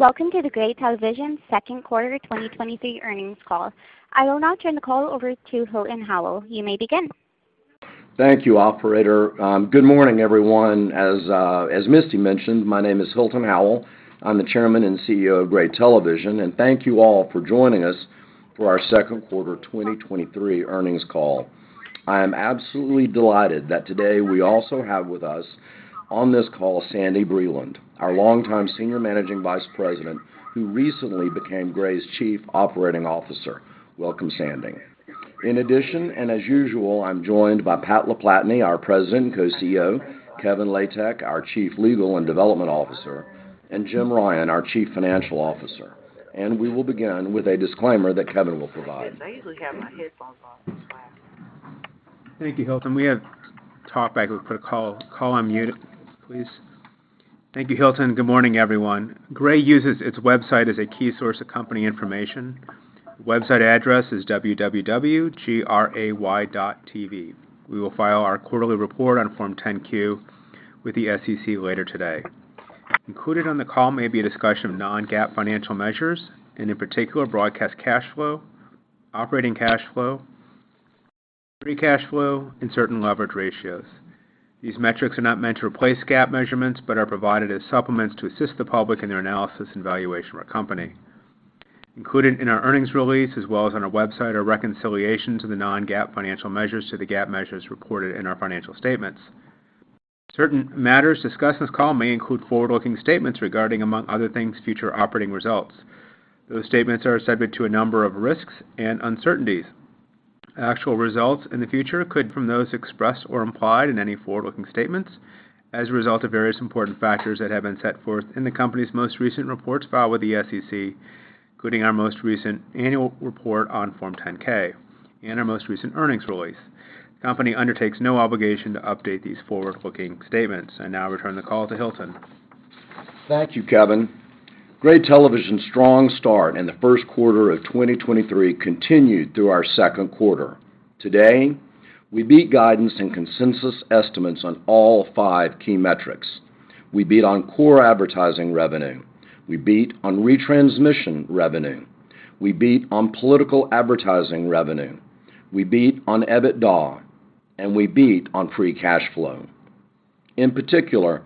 Welcome to the Gray Television second quarter 2023 earnings call. I will now turn the call over to Hilton Howell. You may begin. Thank you, operator. Good morning, everyone. As, as Misty mentioned, my name is Hilton Howell. I'm the Chairman and CEO of Gray Television. Thank you all for joining us for our second quarter 2023 earnings call. I am absolutely delighted that today we also have with us on this call, Sandy Breland, our longtime Senior Managing Vice President, who recently became Gray's Chief Operating Officer. Welcome, Sandy. In addition, as usual, I'm joined by Pat LaPlatney, our President and Co-CEO, Kevin Latek, our Chief Legal and Development Officer, and Jim Ryan, our Chief Financial Officer. We will begin with a disclaimer that Kevin will provide. I usually have my headphones on, that's why. Thank you, Hilton. We have talkback. Put call, call on mute, please. Thank you, Hilton, good morning, everyone. Gray uses its website as a key source of company information. Website address is www.gray.tv. We will file our quarterly report on Form 10-Q with the SEC later today. Included on the call may be a discussion of non-GAAP financial measures, in particular, broadcast cash flow, operating cash flow, free cash flow, and certain leverage ratios. These metrics are not meant to replace GAAP measurements, are provided as supplements to assist the public in their analysis and valuation of our company. Included in our earnings release, as well as on our website, are reconciliations of the non-GAAP financial measures to the GAAP measures reported in our financial statements. Certain matters discussed in this call may include forward-looking statements regarding, among other things, future operating results. Those statements are subject to a number of risks and uncertainties. Actual results in the future could differ from those expressed or implied in any forward-looking statements as a result of various important factors that have been set forth in the company's most recent reports filed with the SEC, including our most recent annual report on Form 10-K and our most recent earnings release. Company undertakes no obligation to update these forward-looking statements. I now return the call to Hilton. Thank you, Kevin. Gray Television's strong start in the first quarter of 2023 continued through our second quarter. Today, we beat guidance and consensus estimates on all five key metrics. We beat on core advertising revenue, we beat on retransmission revenue, we beat on political advertising revenue, we beat on EBITDA, and we beat on free cash flow. In particular,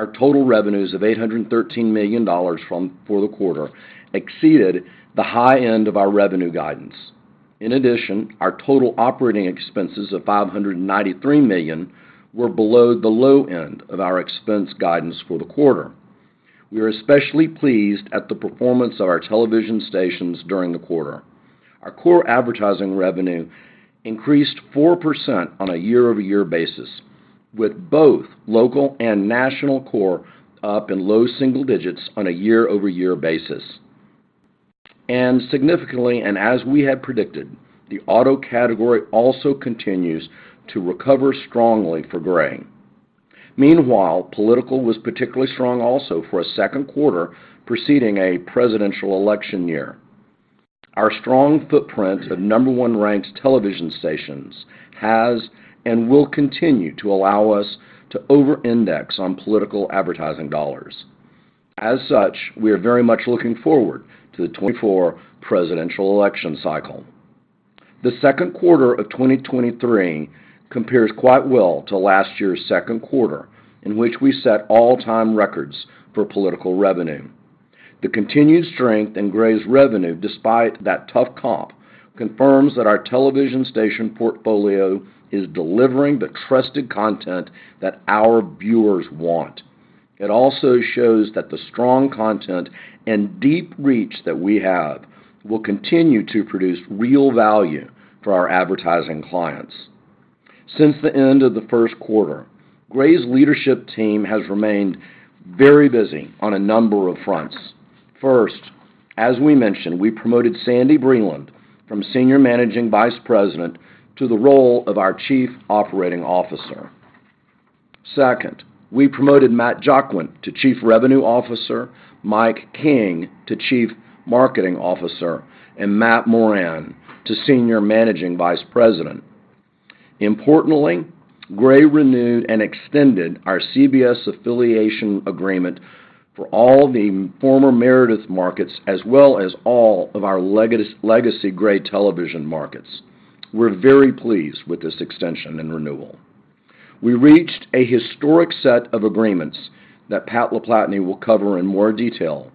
our total revenues of $813 million for the quarter exceeded the high end of our revenue guidance. In addition, our total operating expenses of $593 million were below the low end of our expense guidance for the quarter. We are especially pleased at the performance of our television stations during the quarter. Our core advertising revenue increased 4% on a year-over-year basis, with both local and national core up in low single digits on a year-over-year basis. Significantly, and as we had predicted, the auto category also continues to recover strongly for Gray. Meanwhile, political was particularly strong also for a second quarter, preceding a presidential election year. Our strong footprint of number one ranked television stations has and will continue to allow us to over-index on political advertising dollars. As such, we are very much looking forward to the 2024 presidential election cycle. The second quarter of 2023 compares quite well to last year's second quarter, in which we set all-time records for political revenue. The continued strength in Gray's revenue, despite that tough comp, confirms that our television station portfolio is delivering the trusted content that our viewers want. It also shows that the strong content and deep reach that we have will continue to produce real value for our advertising clients. Since the end of the 1st quarter, Gray's leadership team has remained very busy on a number of fronts. First, as we mentioned, we promoted Sandy Breland from Senior Managing Vice President to the role of our Chief Operating Officer. Second, we promoted Matt Jaquint to Chief Revenue Officer, Mike King to Chief Marketing Officer, and Matt Moran to Senior Managing Vice President. Importantly, Gray renewed and extended our CBS affiliation agreement for all the former Meredith markets, as well as all of our legacy Gray Television markets. We're very pleased with this extension and renewal. We reached a historic set of agreements that Pat LaPlatney will cover in more detail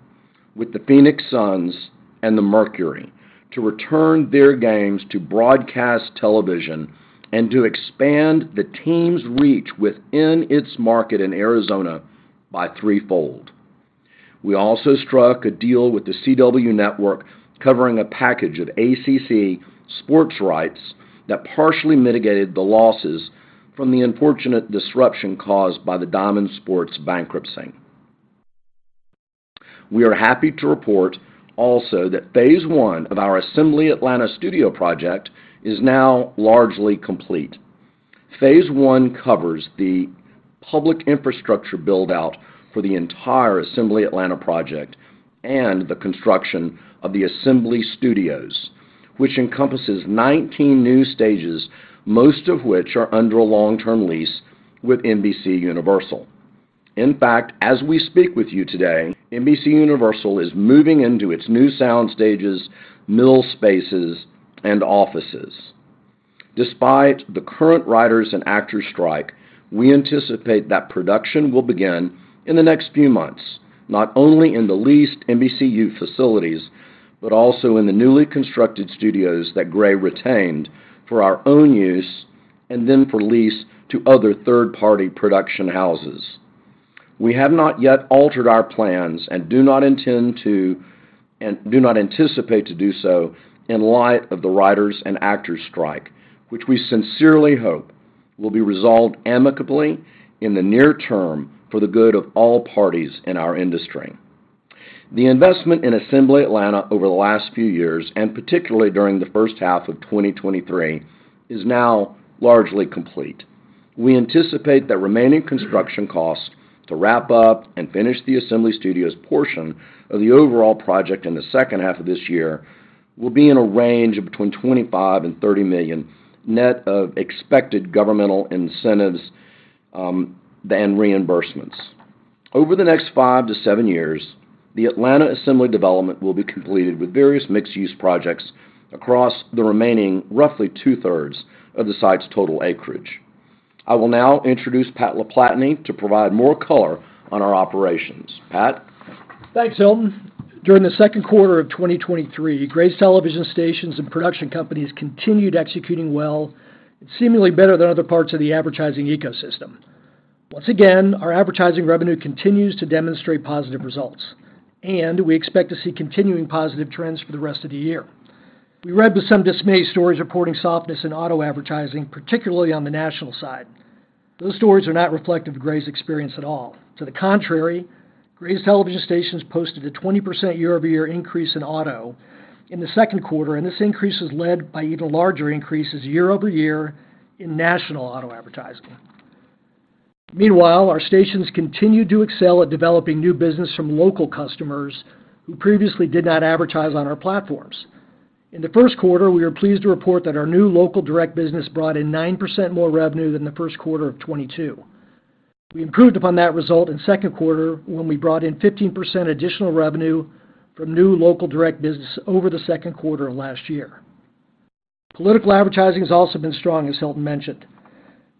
with the Phoenix Suns and the Mercury to return their games to broadcast television and to expand the team's reach within its market in Arizona by threefold. We also struck a deal with the CW Network, covering a package of ACC sports rights that partially mitigated the losses from the unfortunate disruption caused by the Diamond Sports bankruptcy. We are happy to report also that phase one of our Assembly Atlanta Studio project is now largely complete. Phase one covers the public infrastructure build-out for the entire Assembly Atlanta project and the construction of the Assembly Studios, which encompasses 19 new stages, most of which are under a long-term lease with NBCUniversal. In fact, as we speak with you today, NBCUniversal is moving into its new sound stages, mill spaces, and offices. Despite the current writers and actors strike, we anticipate that production will begin in the next few months, not only in the leased NBCU facilities, but also in the newly constructed studios that Gray retained for our own use and then for lease to other third-party production houses. We have not yet altered our plans and do not intend to, and do not anticipate to do so in light of the writers and actors strike, which we sincerely hope will be resolved amicably in the near term for the good of all parties in our industry. The investment in Assembly Atlanta over the last few years, and particularly during the first half of 2023, is now largely complete. We anticipate that remaining construction costs to wrap up and finish the Assembly Studios portion of the overall project in the second half of this year will be in a range of between $25 million and $30 million, net of expected governmental incentives, than reimbursements. Over the next five to seven years, the Assembly Atlanta development will be completed with various mixed-use projects across the remaining, roughly two-thirds of the site's total acreage. I will now introduce Pat LaPlatney to provide more color on our operations. Pat? Thanks, Hilton. During the second quarter of 2023, Gray's television stations and production companies continued executing well, seemingly better than other parts of the advertising ecosystem. Once again, our advertising revenue continues to demonstrate positive results, and we expect to see continuing positive trends for the rest of the year. We read with some dismay stories reporting softness in auto advertising, particularly on the national side. Those stories are not reflective of Gray's experience at all. To the contrary, Gray's television stations posted a 20% year-over-year increase in auto in the second quarter, and this increase is led by even larger increases year-over-year in national auto advertising. Meanwhile, our stations continued to excel at developing new business from local customers who previously did not advertise on our platforms. In the first quarter, we are pleased to report that our new local direct business brought in 9% more revenue than the first quarter of 2022. We improved upon that result in second quarter, when we brought in 15% additional revenue from new local direct business over the second quarter of last year. Political advertising has also been strong, as Hilton mentioned.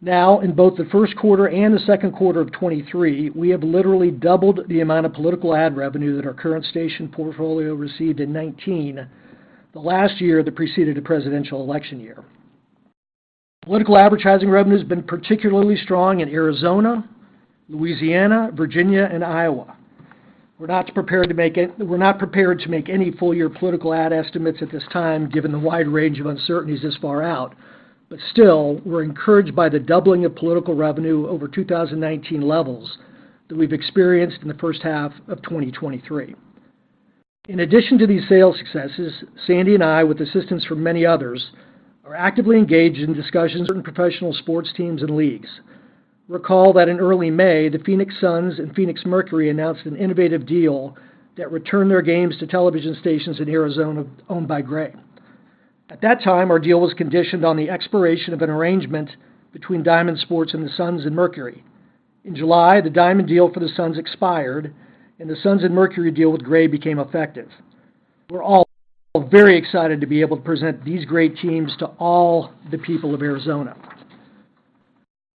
In both the first quarter and the second quarter of 2023, we have literally doubled the amount of political ad revenue that our current station portfolio received in 2019, the last year that preceded a presidential election year. Political advertising revenue has been particularly strong in Arizona, Louisiana, Virginia, and Iowa. We're not prepared to make any full year political ad estimates at this time, given the wide range of uncertainties this far out. Still, we're encouraged by the doubling of political revenue over 2019 levels that we've experienced in the first half of 2023. In addition to these sales successes, Sandy and I, with assistance from many others, are actively engaged in discussions with certain professional sports teams and leagues. Recall that in early May, the Phoenix Suns and Phoenix Mercury announced an innovative deal that returned their games to television stations in Arizona, owned by Gray. At that time, our deal was conditioned on the expiration of an arrangement between Diamond Sports and the Suns and Mercury. In July, the Diamond deal for the Suns expired, and the Suns and Mercury deal with Gray became effective. We're all very excited to be able to present these great teams to all the people of Arizona.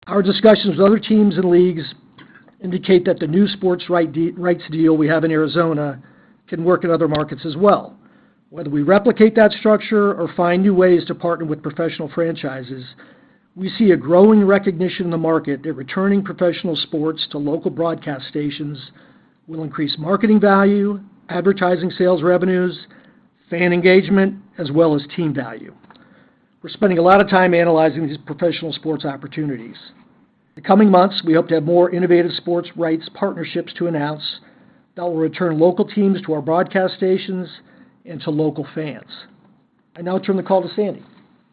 Our discussions with other teams and leagues indicate that the new sports rights deal we have in Arizona can work in other markets as well. Whether we replicate that structure or find new ways to partner with professional franchises, we see a growing recognition in the market that returning professional sports to local broadcast stations will increase marketing value, advertising sales revenues, fan engagement, as well as team value. We're spending a lot of time analyzing these professional sports opportunities. In the coming months, we hope to have more innovative sports rights partnerships to announce that will return local teams to our broadcast stations and to local fans. I now turn the call to Sandy.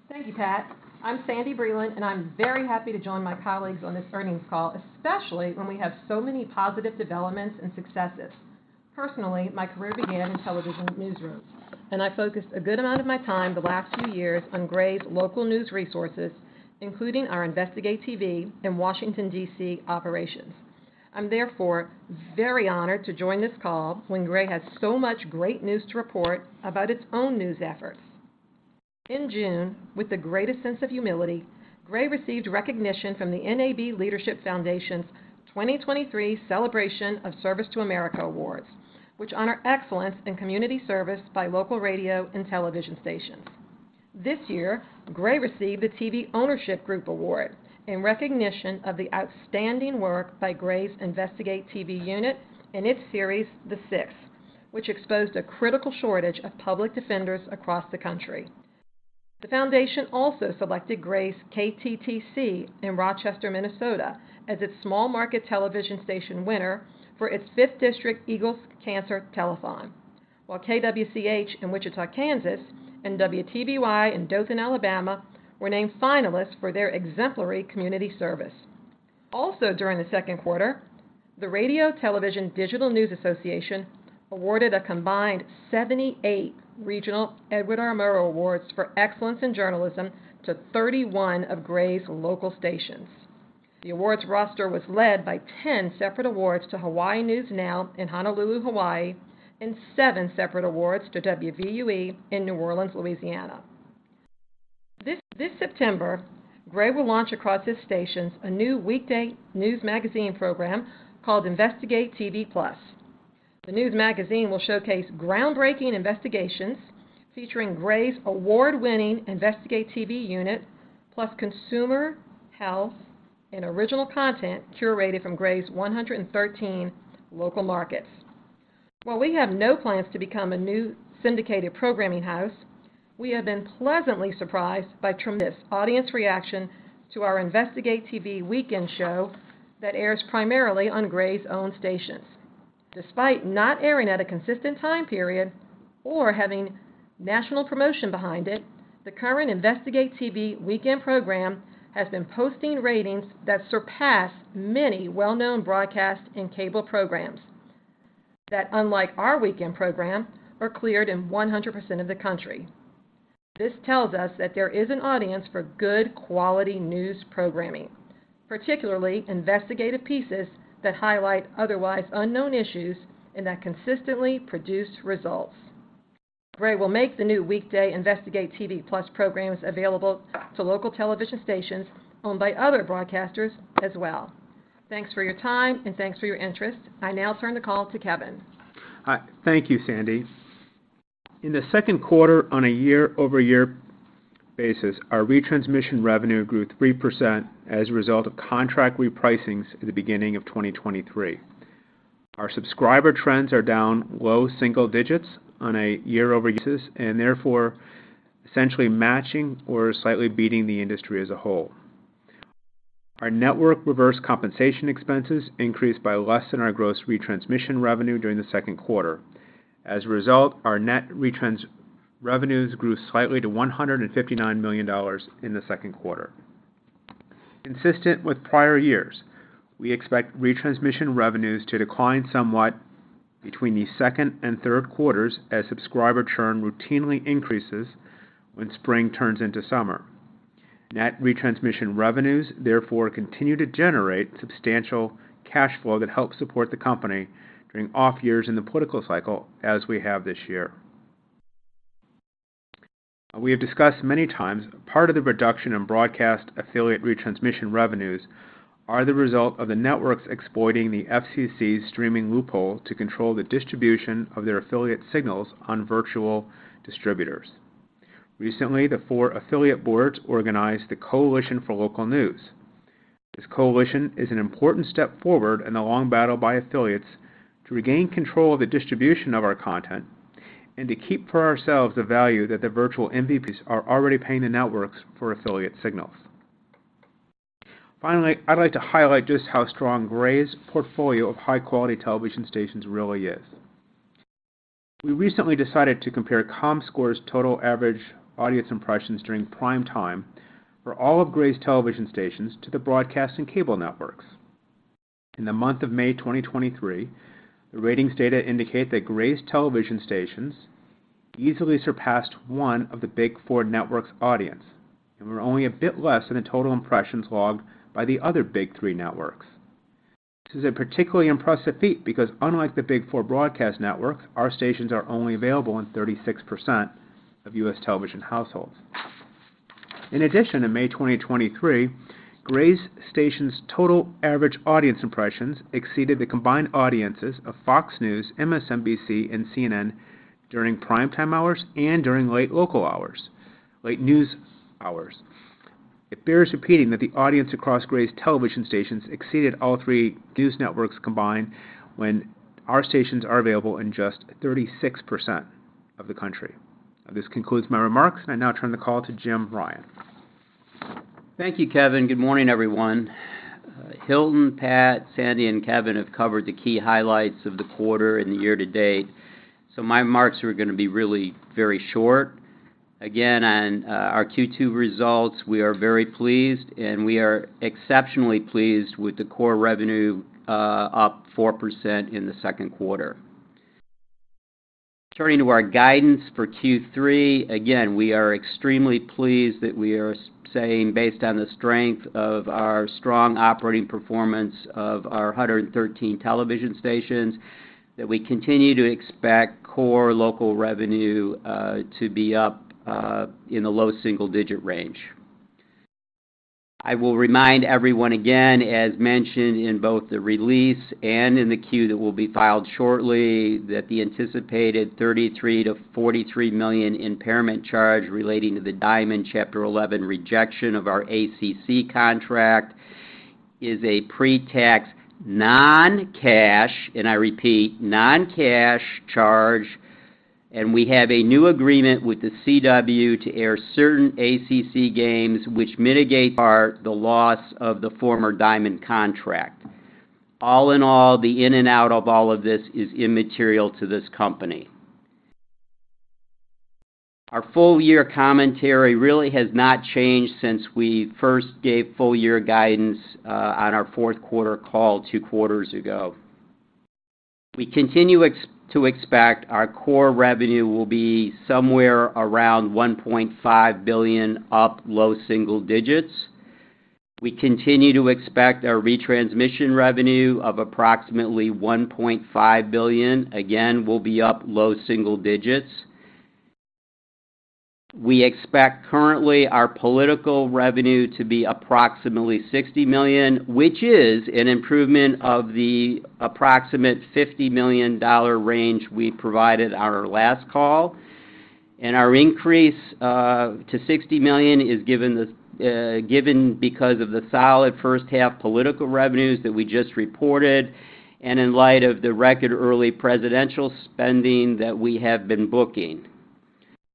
Thank you, Pat. I'm Sandy Breland, I'm very happy to join my colleagues on this earnings call, especially when we have so many positive developments and successes. Personally, my career began in television newsrooms, I focused a good amount of my time the last few years on Gray's local news resources, including our InvestigateTV and Washington, D.C., operations. I'm therefore very honored to join this call when Gray has so much great news to report about its own news efforts. In June, with the greatest sense of humility, Gray received recognition from the NAB Leadership Foundation's 2023 Celebration of Service to America Awards, which honor excellence in community service by local radio and television stations. This year, Gray received the TV Ownership Group Award in recognition of the outstanding work by Gray's InvestigateTV unit and its series, The Sixth, which exposed a critical shortage of public defenders across the country. The foundation also selected Gray's KTTC in Rochester, Minnesota, as its Small Market Television Station winner for its Fifth District Eagles Cancer Telethon, while KWCH in Wichita, Kansas, and WTVY in Dothan, Alabama, were named finalists for their exemplary community service. During the second quarter, the Radio Television Digital News Association awarded a combined 78 regional Edward R. Murrow Awards for excellence in journalism to 31 of Gray's local stations. The awards roster was led by 10 separate awards to Hawaii News Now in Honolulu, Hawaii, and 7 separate awards to WVUE in New Orleans, Louisiana. This September, Gray will launch across his stations a new weekday news magazine program called InvestigateTV Plus. The news magazine will showcase groundbreaking investigations featuring Gray's award-winning InvestigateTV unit, plus consumer, health, and original content curated from Gray's 113 local markets. While we have no plans to become a new syndicated programming house, we have been pleasantly surprised by tremendous audience reaction to our InvestigateTV weekend show that airs primarily on Gray's own stations. Despite not airing at a consistent time period or having national promotion behind it, the current InvestigateTV weekend program has been posting ratings that surpass many well-known broadcast and cable programs. That, unlike our weekend program, are cleared in 100% of the country. This tells us that there is an audience for good quality news programming, particularly investigative pieces that highlight otherwise unknown issues and that consistently produce results. Gray will make the new weekday InvestigateTV+ programs available to local television stations owned by other broadcasters as well. Thanks for your time, thanks for your interest. I now turn the call to Kevin. Hi. Thank you, Sandy. In the second quarter, on a year-over-year basis, our retransmission revenue grew 3% as a result of contract repricings at the beginning of 2023. Our subscriber trends are down low single digits on a year-over-year basis, and therefore, essentially matching or slightly beating the industry as a whole. Our network reverse compensation expenses increased by less than our gross retransmission revenue during the second quarter. As a result, our net retrans revenues grew slightly to $159 million in the second quarter. Consistent with prior years, we expect retransmission revenues to decline somewhat between the second and third quarters, as subscriber churn routinely increases when spring turns into summer. Net retransmission revenues, therefore, continue to generate substantial cash flow that helps support the company during off years in the political cycle, as we have this year. We have discussed many times, part of the reduction in broadcast affiliate retransmission revenues are the result of the networks exploiting the FCC streaming loophole to control the distribution of their affiliate signals on virtual distributors. Recently, the four affiliate boards organized the Coalition for Local News. This coalition is an important step forward in the long battle by affiliates to regain control of the distribution of our content and to keep for ourselves the value that the virtual MVPDs are already paying the networks for affiliate signals. Finally, I'd like to highlight just how strong Gray's portfolio of high-quality television stations really is. We recently decided to compare Comscore's total average audience impressions during prime time for all of Gray's television stations to the broadcast and cable networks. In the month of May 2023, the ratings data indicate that Gray's television stations easily surpassed one of the Big Four networks' audience, and were only a bit less than the total impressions logged by the other Big Three networks. This is a particularly impressive feat because unlike the Big Four broadcast networks, our stations are only available in 36% of U.S. television households. In addition, in May 2023, Gray's station's total average audience impressions exceeded the combined audiences of Fox News, MSNBC, and CNN during prime time hours and during late local hours, late news hours. It bears repeating that the audience across Gray's television stations exceeded all 3 news networks combined when our stations are available in just 36% of the country. This concludes my remarks. I now turn the call to Jim Ryan. Thank you, Kevin. Good morning, everyone. Hilton, Pat, Sandy, and Kevin have covered the key highlights of the quarter and the year to date, so my marks are gonna be really very short. Again, on our Q2 results, we are very pleased, and we are exceptionally pleased with the core revenue, up 4% in the second quarter. Turning to our guidance for Q3, again, we are extremely pleased that we are saying, based on the strength of our strong operating performance of our 113 television stations, that we continue to expect core local revenue to be up in the low single-digit range. I will remind everyone again, as mentioned in both the release and in the Q that will be filed shortly, that the anticipated $33 million-$43 million impairment charge relating to the Diamond Chapter 11 rejection of our ACC contract is a pretax, non-cash, and I repeat, non-cash charge, and we have a new agreement with the CW to air certain ACC games which mitigate the loss of the former Diamond contract. All in all, the in and out of all of this is immaterial to this company. Our full year commentary really has not changed since we first gave full year guidance on our fourth quarter call two quarters ago. We continue to expect our core revenue will be somewhere around $1.5 billion, up low single digits. We continue to expect our retransmission revenue of approximately $1.5 billion, again, will be up low single digits. We expect currently our political revenue to be approximately $60 million, which is an improvement of the approximate $50 million range we provided on our last call. Our increase to $60 million is given the given because of the solid first half political revenues that we just reported and in light of the record early presidential spending that we have been booking.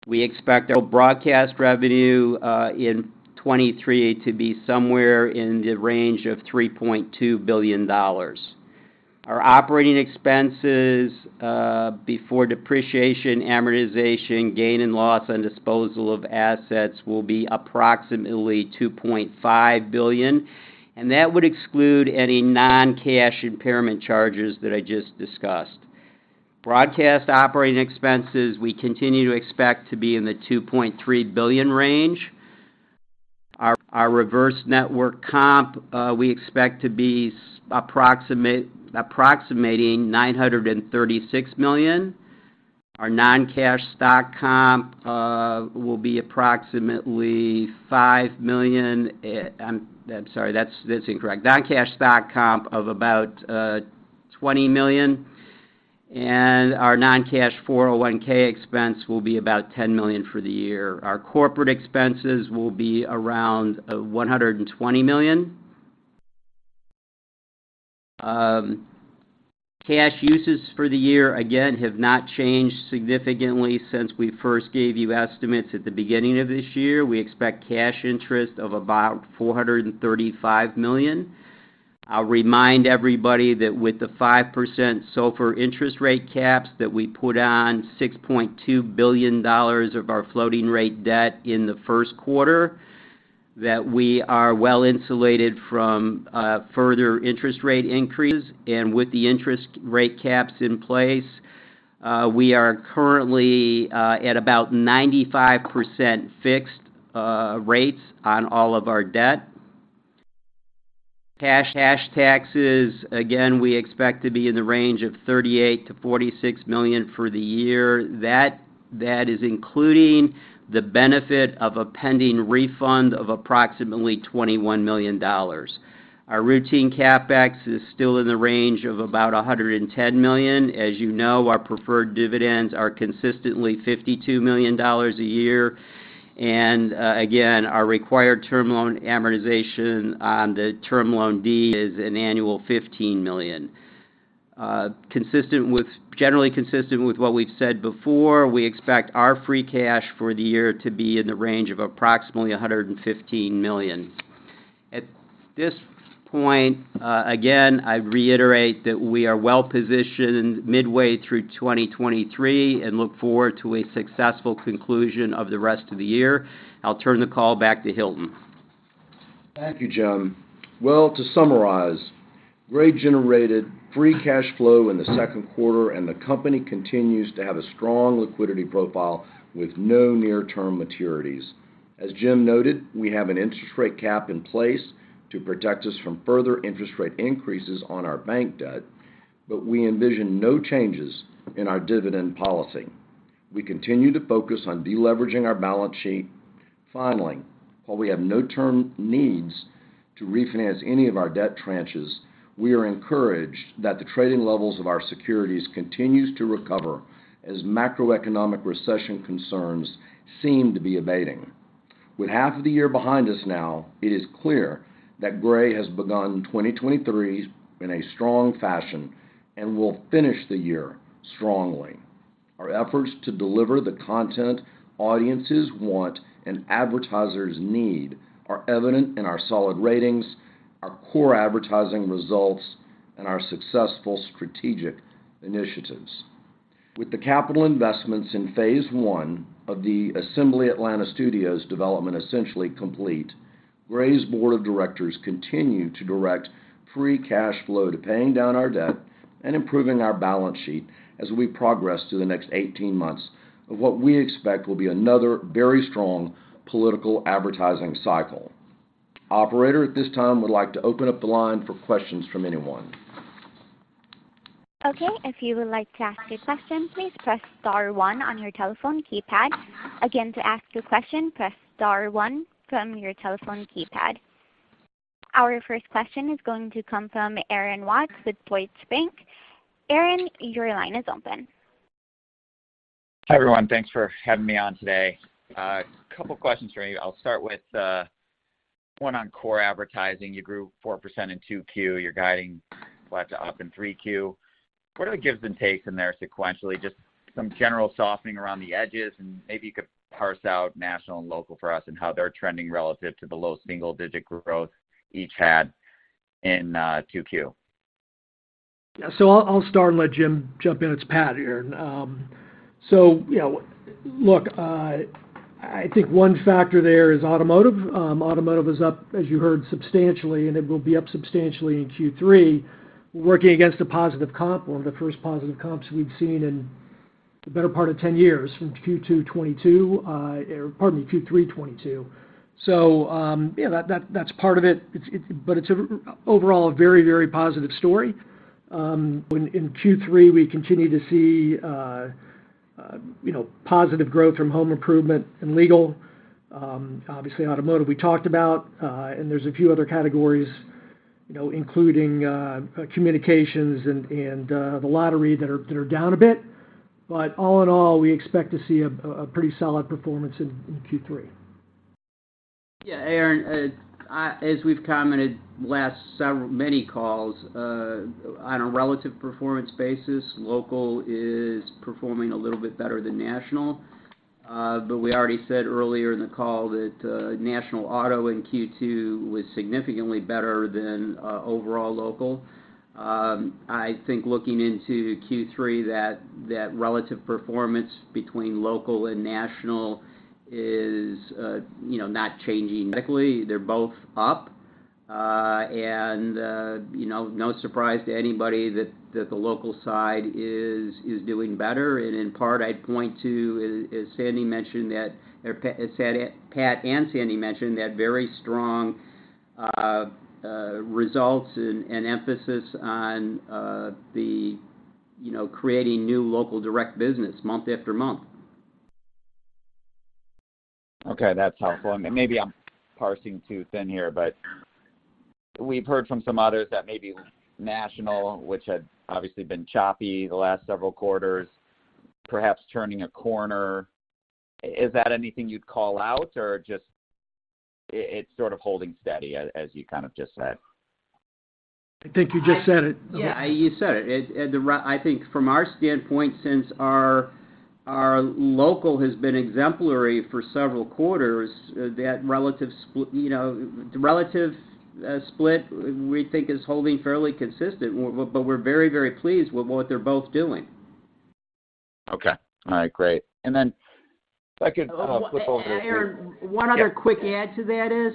We expect our broadcast revenue in 2023 to be somewhere in the range of $3.2 billion. Our operating expenses before depreciation, amortization, gain and loss on disposal of assets, will be approximately $2.5 billion, and that would exclude any non-cash impairment charges that I just discussed. Broadcast operating expenses, we continue to expect to be in the $2.3 billion range. Our reverse network comp, we expect to be approximating $936 million. Our non-cash stock comp will be approximately $5 million. I'm sorry, that's incorrect. Non-cash stock comp of about $20 million, and our non-cash 401(k) expense will be about $10 million for the year. Our corporate expenses will be around $120 million. Cash uses for the year, again, have not changed significantly since we first gave you estimates at the beginning of this year. We expect cash interest of about $435 million. I'll remind everybody that with the 5% SOFR interest rate caps that we put on $6.2 billion of our floating rate debt in the 1st quarter, that we are well insulated from further interest rate increases. With the interest rate caps in place, we are currently at about 95% fixed rates on all of our debt. Cash, cash taxes, again, we expect to be in the range of $38 million-$46 million for the year. That, that is including the benefit of a pending refund of approximately $21 million. Our routine CapEx is still in the range of about $110 million. As you know, our preferred dividends are consistently $52 million a year, and again, our required term loan amortization on the term loan D is an annual $15 million. Generally consistent with what we've said before, we expect our free cash for the year to be in the range of approximately $115 million. At this point, again, I reiterate that we are well positioned midway through 2023 and look forward to a successful conclusion of the rest of the year. I'll turn the call back to Hilton. Thank you, Jim. Well, to summarize, Gray generated free cash flow in the second quarter. The company continues to have a strong liquidity profile with no near-term maturities. As Jim noted, we have an interest rate cap in place to protect us from further interest rate increases on our bank debt. We envision no changes in our dividend policy. We continue to focus on deleveraging our balance sheet. Finally, while we have no term needs to refinance any of our debt tranches, we are encouraged that the trading levels of our securities continues to recover as macroeconomic recession concerns seem to be abating. With half of the year behind us now, it is clear that Gray has begun 2023 in a strong fashion and will finish the year strongly. Our efforts to deliver the content audiences want and advertisers need are evident in our solid ratings, our core advertising results, and our successful strategic initiatives. With the capital investments in phase one of the Assembly Atlanta Studios development essentially complete, Gray's board of directors continue to direct free cash flow to paying down our debt and improving our balance sheet as we progress through the next 18 months of what we expect will be another very strong political advertising cycle. Operator, at this time, would like to open up the line for questions from anyone. Okay, if you would like to ask a question, please press star one on your telephone keypad. Again, to ask a question, press star one from your telephone keypad. Our first question is going to come from Aaron Watts with Deutsche Bank. Aaron, your line is open. Hi, everyone. Thanks for having me on today. A couple questions for you. I'll start with one on core advertising. You grew 4% in 2Q. You're guiding flat to up in 3Q. What are the gives and takes in there sequentially? Just some general softening around the edges, and maybe you could parse out national and local for us and how they're trending relative to the low single-digit growth each had in 2Q. Yeah, so I'll, I'll start and let Jim jump in. It's Pat here. you know, look, I think one factor there is automotive. automotive is up, as you heard, substantially, and it will be up substantially in Q3. We're working against a positive comp, one of the first positive comps we've seen in the better part of 10 years, from Q2 2022, or pardon me, Q3 2022. yeah, that, that's part of it. It's, but it's a overall a very, very positive story. when in Q3, we continue to see, you know, positive growth from home improvement and legal. obviously, automotive, we talked about, and there's a few other categories, you know, including, communications and, and, the lottery that are, that are down a bit. All in all, we expect to see a pretty solid performance in Q3. Yeah, Aaron, as we've commented last several, many calls, on a relative performance basis, local is performing a little bit better than national. We already said earlier in the call that national auto in Q2 was significantly better than overall local. I think looking into Q3, that, that relative performance between local and national is, you know, not changing medically. They're both up. You know, no surprise to anybody that, that the local side is, is doing better. In part, I'd point to, as, as Sandy mentioned, that, or as Pat, Pat and Sandy mentioned, that very strong results and emphasis on the, you know, creating new local direct business month after month. Okay, that's helpful. Maybe I'm parsing too thin here, but we've heard from some others that maybe national, which had obviously been choppy the last several quarters, perhaps turning a corner. Is that anything you'd call out or just it's sort of holding steady as, as you kind of just said? I think you just said it. Yeah, you said it. I think from our standpoint, since our local has been exemplary for several quarters, that relative, you know, the relative split, we think is holding fairly consistent. We're very, very pleased with what they're both doing. Okay. All right, great. Then if I could flip over- Aaron, one other quick add to that is,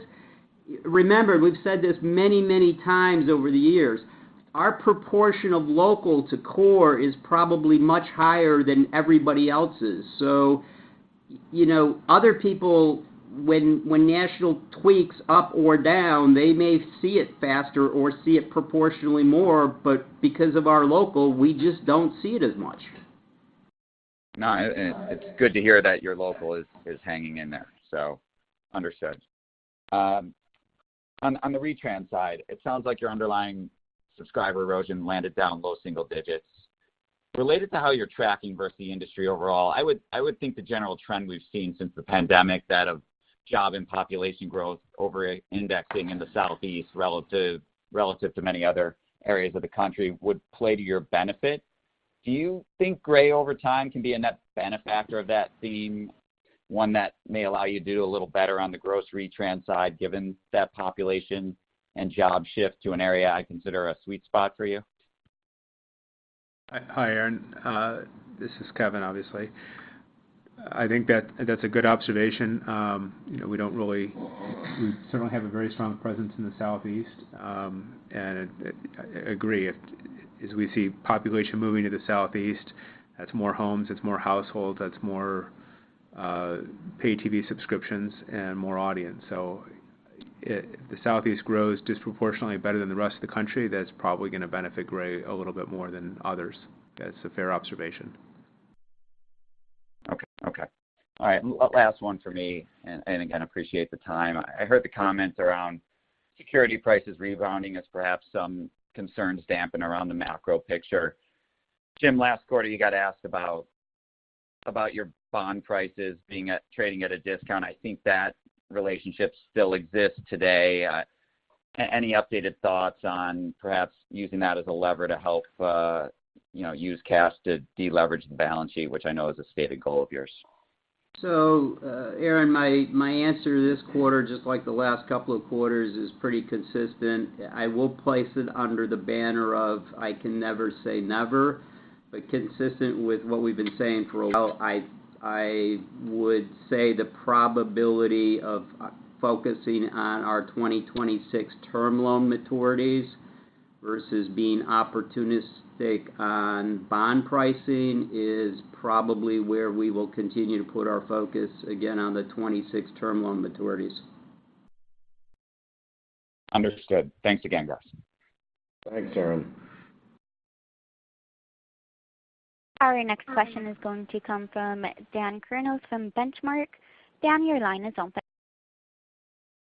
remember, we've said this many, many times over the years, our proportion of local to core is probably much higher than everybody else's. You know, other people, when, when national tweaks up or down, they may see it faster or see it proportionally more, but because of our local, we just don't see it as much. No, it's good to hear that your local is, is hanging in there. Understood. On the retrans side, it sounds like your underlying subscriber erosion landed down low single digits. Related to how you're tracking versus the industry overall, I would think the general trend we've seen since the pandemic, that of job and population growth over indexing in the Southeast, relative to many other areas of the country, would play to your benefit. Do you think Gray over time can be a net benefactor of that theme, one that may allow you to do a little better on the grocery retrans side, given that population and job shift to an area I consider a sweet spot for you? Hi, Aaron. This is Kevin, obviously. I think that that's a good observation. You know, we don't really. We certainly have a very strong presence in the Southeast. I agree. As we see population moving to the Southeast, that's more homes, it's more households, that's more paid TV subscriptions and more audience. If the Southeast grows disproportionately better than the rest of the country, that's probably gonna benefit Gray a little bit more than others. That's a fair observation. Okay. Okay. All right, last one for me, and, and again, appreciate the time. I heard the comments around security prices rebounding as perhaps some concerns dampen around the macro picture. Jim, last quarter, you got asked about, about your bond prices being at trading at a discount. I think that relationship still exists today. Any updated thoughts on perhaps using that as a lever to help, you know, use cash to deleverage the balance sheet, which I know is a stated goal of yours? Aaron, my, my answer this quarter, just like the last couple of quarters, is pretty consistent. I will place it under the banner of "I can never say never," but consistent with what we've been saying for a while, I, I would say the probability of focusing on our 2026 term loan maturities versus being opportunistic on bond pricing, is probably where we will continue to put our focus again on the 26 term loan maturities. Understood. Thanks again, guys. Thanks, Aaron. Our next question is going to come from Dan Kurnos from The Benchmark Company. Dan, your line is open.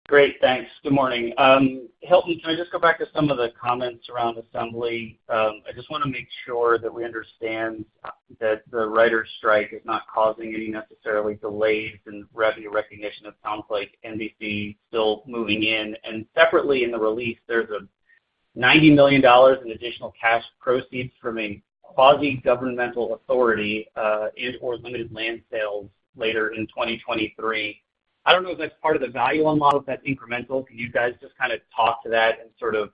Great, thanks. Good morning. Help me, can I just go back to some of the comments around Assembly? I just wanna make sure that we understand that the writers' strike is not causing any necessarily delays in revenue recognition. It sounds like NBC still moving in. Separately, in the release, there's a $90 million in additional cash proceeds from a quasi-governmental authority, and/or limited land sales later in 2023. I don't know if that's part of the value-add model, if that's incremental. Can you guys just kind of talk to that and sort of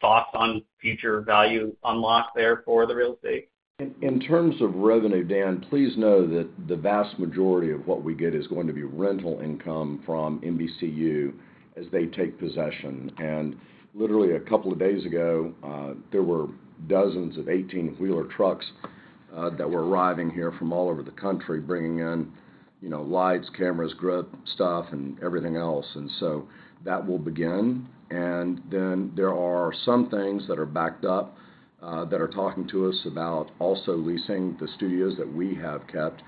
thoughts on future value unlocked there for the real estate? In terms of revenue, Dan, please know that the vast majority of what we get is going to be rental income from NBCU as they take possession. Literally, a couple of days ago, there were dozens of 18-wheeler trucks that were arriving here from all over the country, bringing in, you know, lights, cameras, grip, stuff, and everything else. That will begin. There are some things that are backed up that are talking to us about also leasing the studios that we have kept.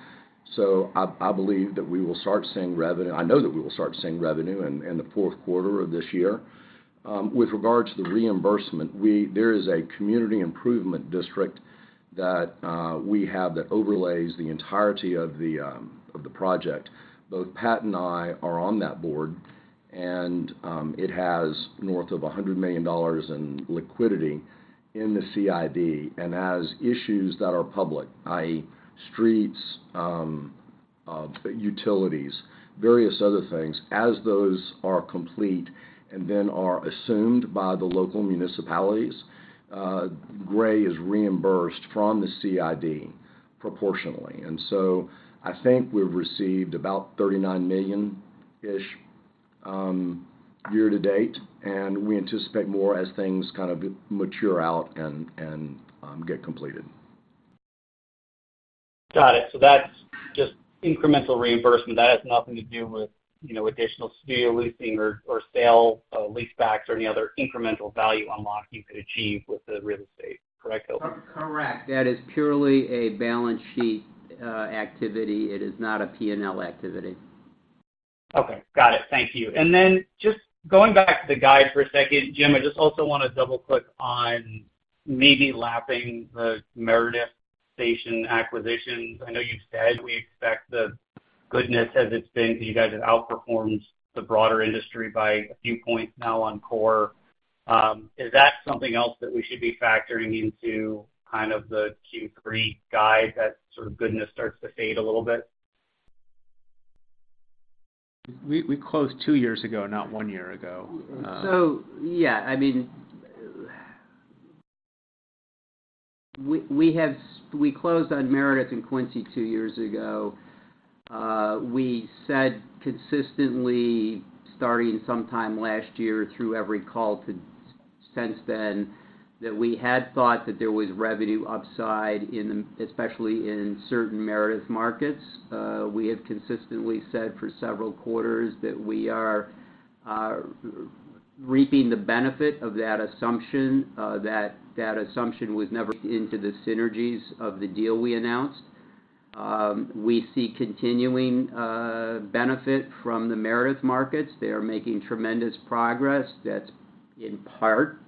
I believe that we will start seeing revenue. I know that we will start seeing revenue in the fourth quarter of this year. With regard to the reimbursement, there is a community improvement district that we have that overlays the entirety of the project. Both Pat and I are on that board, it has north of $100 million in liquidity in the CID. As issues that are public, i.e., streets, utilities, various other things, as those are complete and then are assumed by the local municipalities, Gray is reimbursed from the CID proportionally. So I think we've received about $39 million-ish year to date, and we anticipate more as things kind of mature out and, and get completed. Got it. That's just incremental reimbursement. That has nothing to do with, you know, additional studio leasing or, or sale, leasebacks or any other incremental value unlock you could achieve with the real estate. Correct, Hilton? Correct. That is purely a balance sheet activity. It is not a P&L activity. Okay, got it. Thank you. Then just going back to the guide for a second, Jim, I just also want to double-click on maybe lapping the Meredith station acquisitions. I know you've said we expect the goodness as it's been, so you guys have outperformed the broader industry by a few points now on core. Is that something else that we should be factoring into kind of the Q3 guide, that sort of goodness starts to fade a little bit? We closed two years ago, not one year ago. Yeah, I mean, we closed on Meredith in Quincy two years ago. We said consistently, starting sometime last year, through every call since then, that we had thought that there was revenue upside in, especially in certain Meredith markets. We have consistently said for several quarters that we are reaping the benefit of that assumption, that that assumption was never into the synergies of the deal we announced. We see continuing benefit from the Meredith markets. They are making tremendous progress. That's in part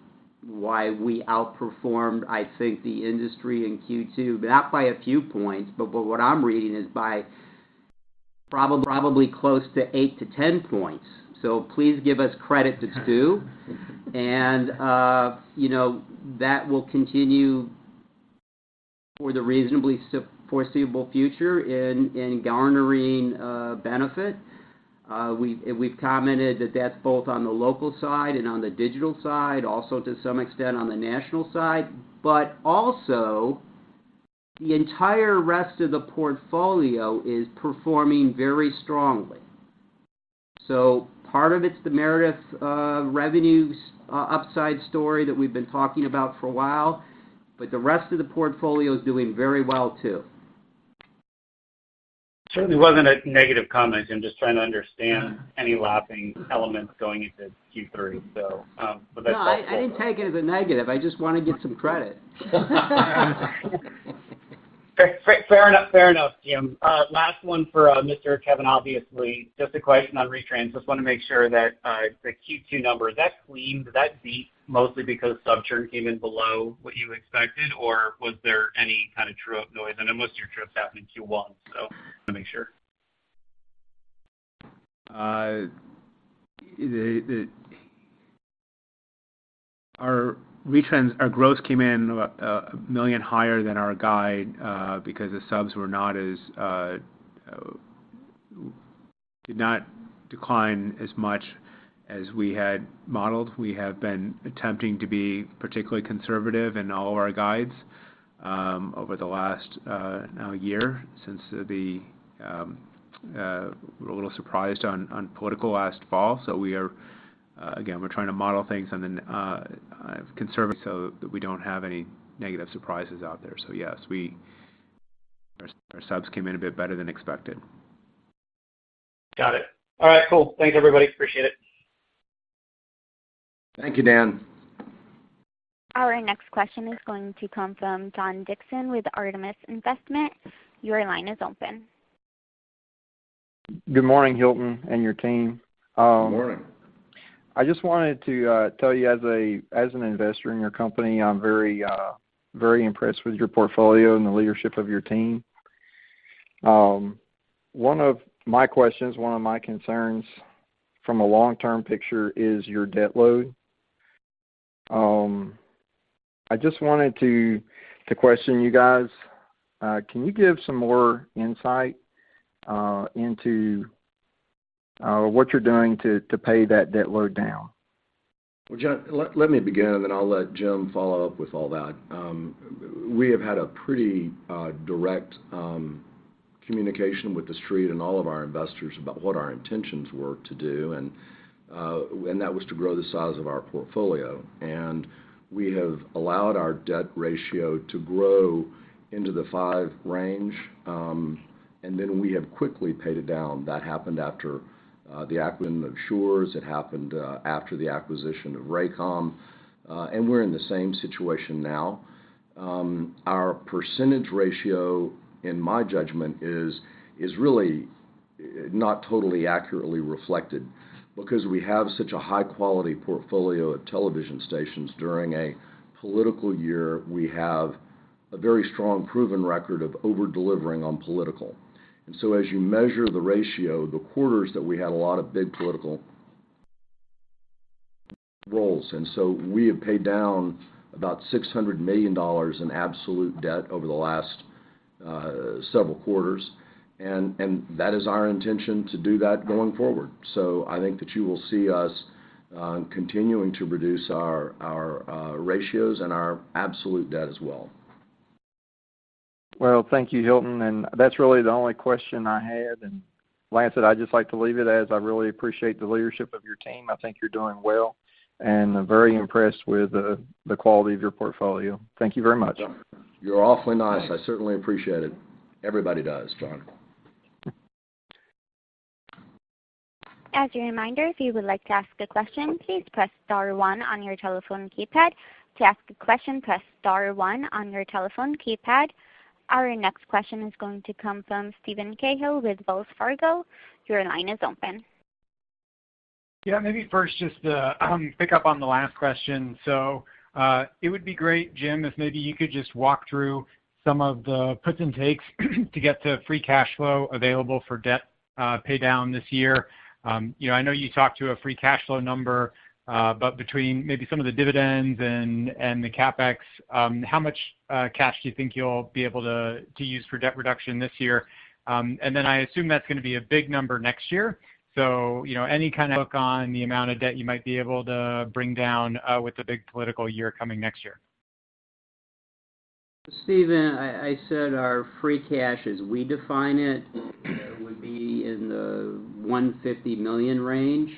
why we outperformed, I think, the industry in Q2, not by a few points, but what I'm reading is by probably close to 8-10 points. Please give us credit that's due. You know, that will continue for the reasonably foreseeable future in garnering benefit. We've, and we've commented that that's both on the local side and on the digital side, also to some extent on the national side. Also, the entire rest of the portfolio is performing very strongly. Part of it's the Meredith revenues upside story that we've been talking about for a while, but the rest of the portfolio is doing very well, too. Certainly wasn't a negative comment. I'm just trying to understand any lapping elements going into Q3. No, I, I didn't take it as a negative. I just want to get some credit. Fair, fair enough. Fair enough, Jim. Last one for Mr. Kevin, obviously, just a question on retrans. Just want to make sure that the Q2 number, is that clean? Is that beat mostly because sub churn came in below what you expected, or was there any kind of true-up noise? I know most of your trips happened in Q1, so I want to make sure. Our retrans, our gross came in $1 million higher than our guide because the subs did not decline as much as we had modeled. We have been attempting to be particularly conservative in all of our guides over the last now year, since we were a little surprised on on political last fall. We are again, we're trying to model things on the conservative, so that we don't have any negative surprises out there. Yes, our subs came in a bit better than expected. Got it. All right, cool. Thanks, everybody. Appreciate it. Thank you, Dan. Our next question is going to come from John Dixon with Artemis Investment. Your line is open. Good morning, Hilton and your team. Good morning. I just wanted to tell you as an investor in your company, I'm very, very impressed with your portfolio and the leadership of your team. One of my questions, one of my concerns from a long-term picture is your debt load. I just wanted to, to question you guys. Can you give some more insight into what you're doing to, to pay that debt load down? Well, John, let, let me begin, and then I'll let Jim follow up with all that. We have had a pretty direct communication with the street and all of our investors about what our intentions were to do, and that was to grow the size of our portfolio. We have allowed our debt ratio to grow into the 5 range, and then we have quickly paid it down. That happened after the acquisition of Schurz. It happened after the acquisition of Raycom, and we're in the same situation now. Our percentage ratio, in my judgment, is really not totally accurately reflected because we have such a high-quality portfolio of television stations. During a political year, we have a very strong, proven record of over-delivering on political. As you measure the ratio, the quarters that we had a lot of big political rolls. We have paid down about $600 million in absolute debt over the last several quarters, and that is our intention to do that going forward. I think that you will see us continuing to reduce our ratios and our absolute debt as well. Well, thank you, Hilton, and that's really the only question I had. Lance, I'd just like to leave it as I really appreciate the leadership of your team. I think you're doing well, and I'm very impressed with the quality of your portfolio. Thank you very much. You're awfully nice. I certainly appreciate it. Everybody does, John. As a reminder, if you would like to ask a question, please press star one on your telephone keypad. To ask a question, press star one on your telephone keypad. Our next question is going to come from Steven Cahall with Wells Fargo. Your line is open. Yeah, maybe first, just to pick up on the last question. It would be great, Jim, if maybe you could just walk through some of the puts and takes, to get to free cash flow available for debt pay down this year. you know, I know you talked to a free cash flow number, but between maybe some of the dividends and the CapEx, how much cash do you think you'll be able to use for debt reduction this year? I assume that's gonna be a big number next year. you know, any kind of look on the amount of debt you might be able to bring down, with the big political year coming next year? Steven, I, I said our free cash, as we define it, would be in the $150 million range.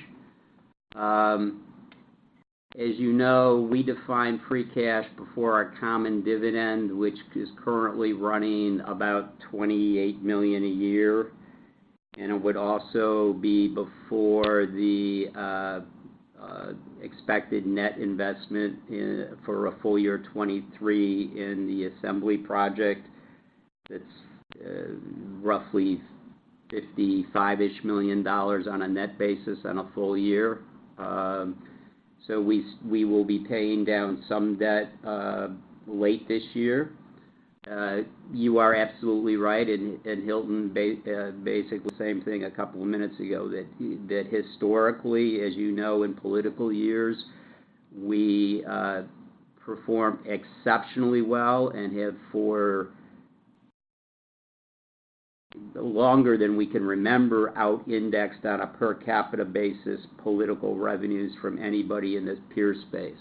As you know, we define free cash before our common dividend, which is currently running about $28 million a year. It would also be before the expected net investment for a full year 2023 in the Assembly project. That's roughly $55 million on a net basis on a full year. So we will be paying down some debt late this year. You are absolutely right, and Hilton basically the same thing a couple of minutes ago, that historically, as you know, in political years, we perform exceptionally well and have for longer than we can remember, out indexed on a per capita basis, political revenues from anybody in this peer space.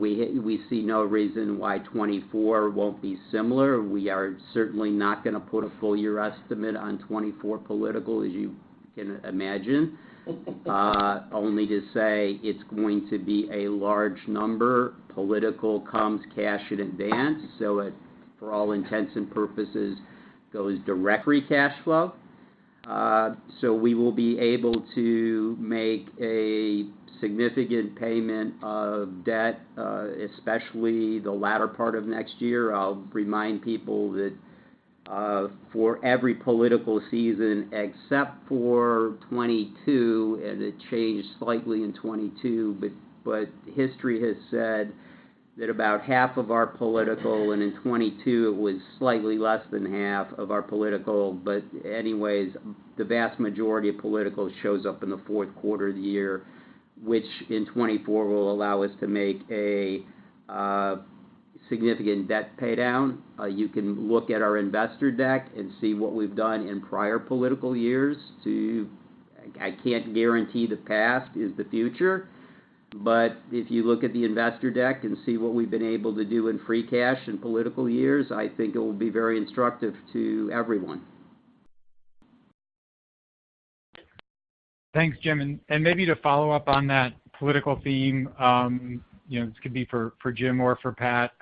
We see no reason why 2024 won't be similar. We are certainly not gonna put a full year estimate on 2024 political, as you can imagine, only to say it's going to be a large number. Political comes, cash in advance, so it, for all intents and purposes, goes direct free cash flow. We will be able to make a significant payment of debt, especially the latter part of next year. I'll remind people that, for every political season, except for 2022, and it changed slightly in 2022, but history has said that about half of our political, and in 2022, it was slightly less than half of our political. Anyways, the vast majority of political shows up in the fourth quarter of the year, which in 2024, will allow us to make a significant debt paydown. You can look at our investor deck and see what we've done in prior political years to. I can't guarantee the past is the future, but if you look at the investor deck and see what we've been able to do in free cash in political years, I think it will be very instructive to everyone. Thanks, Jim. Maybe to follow up on that political theme, you know, this could be for, for Jim or for Pat.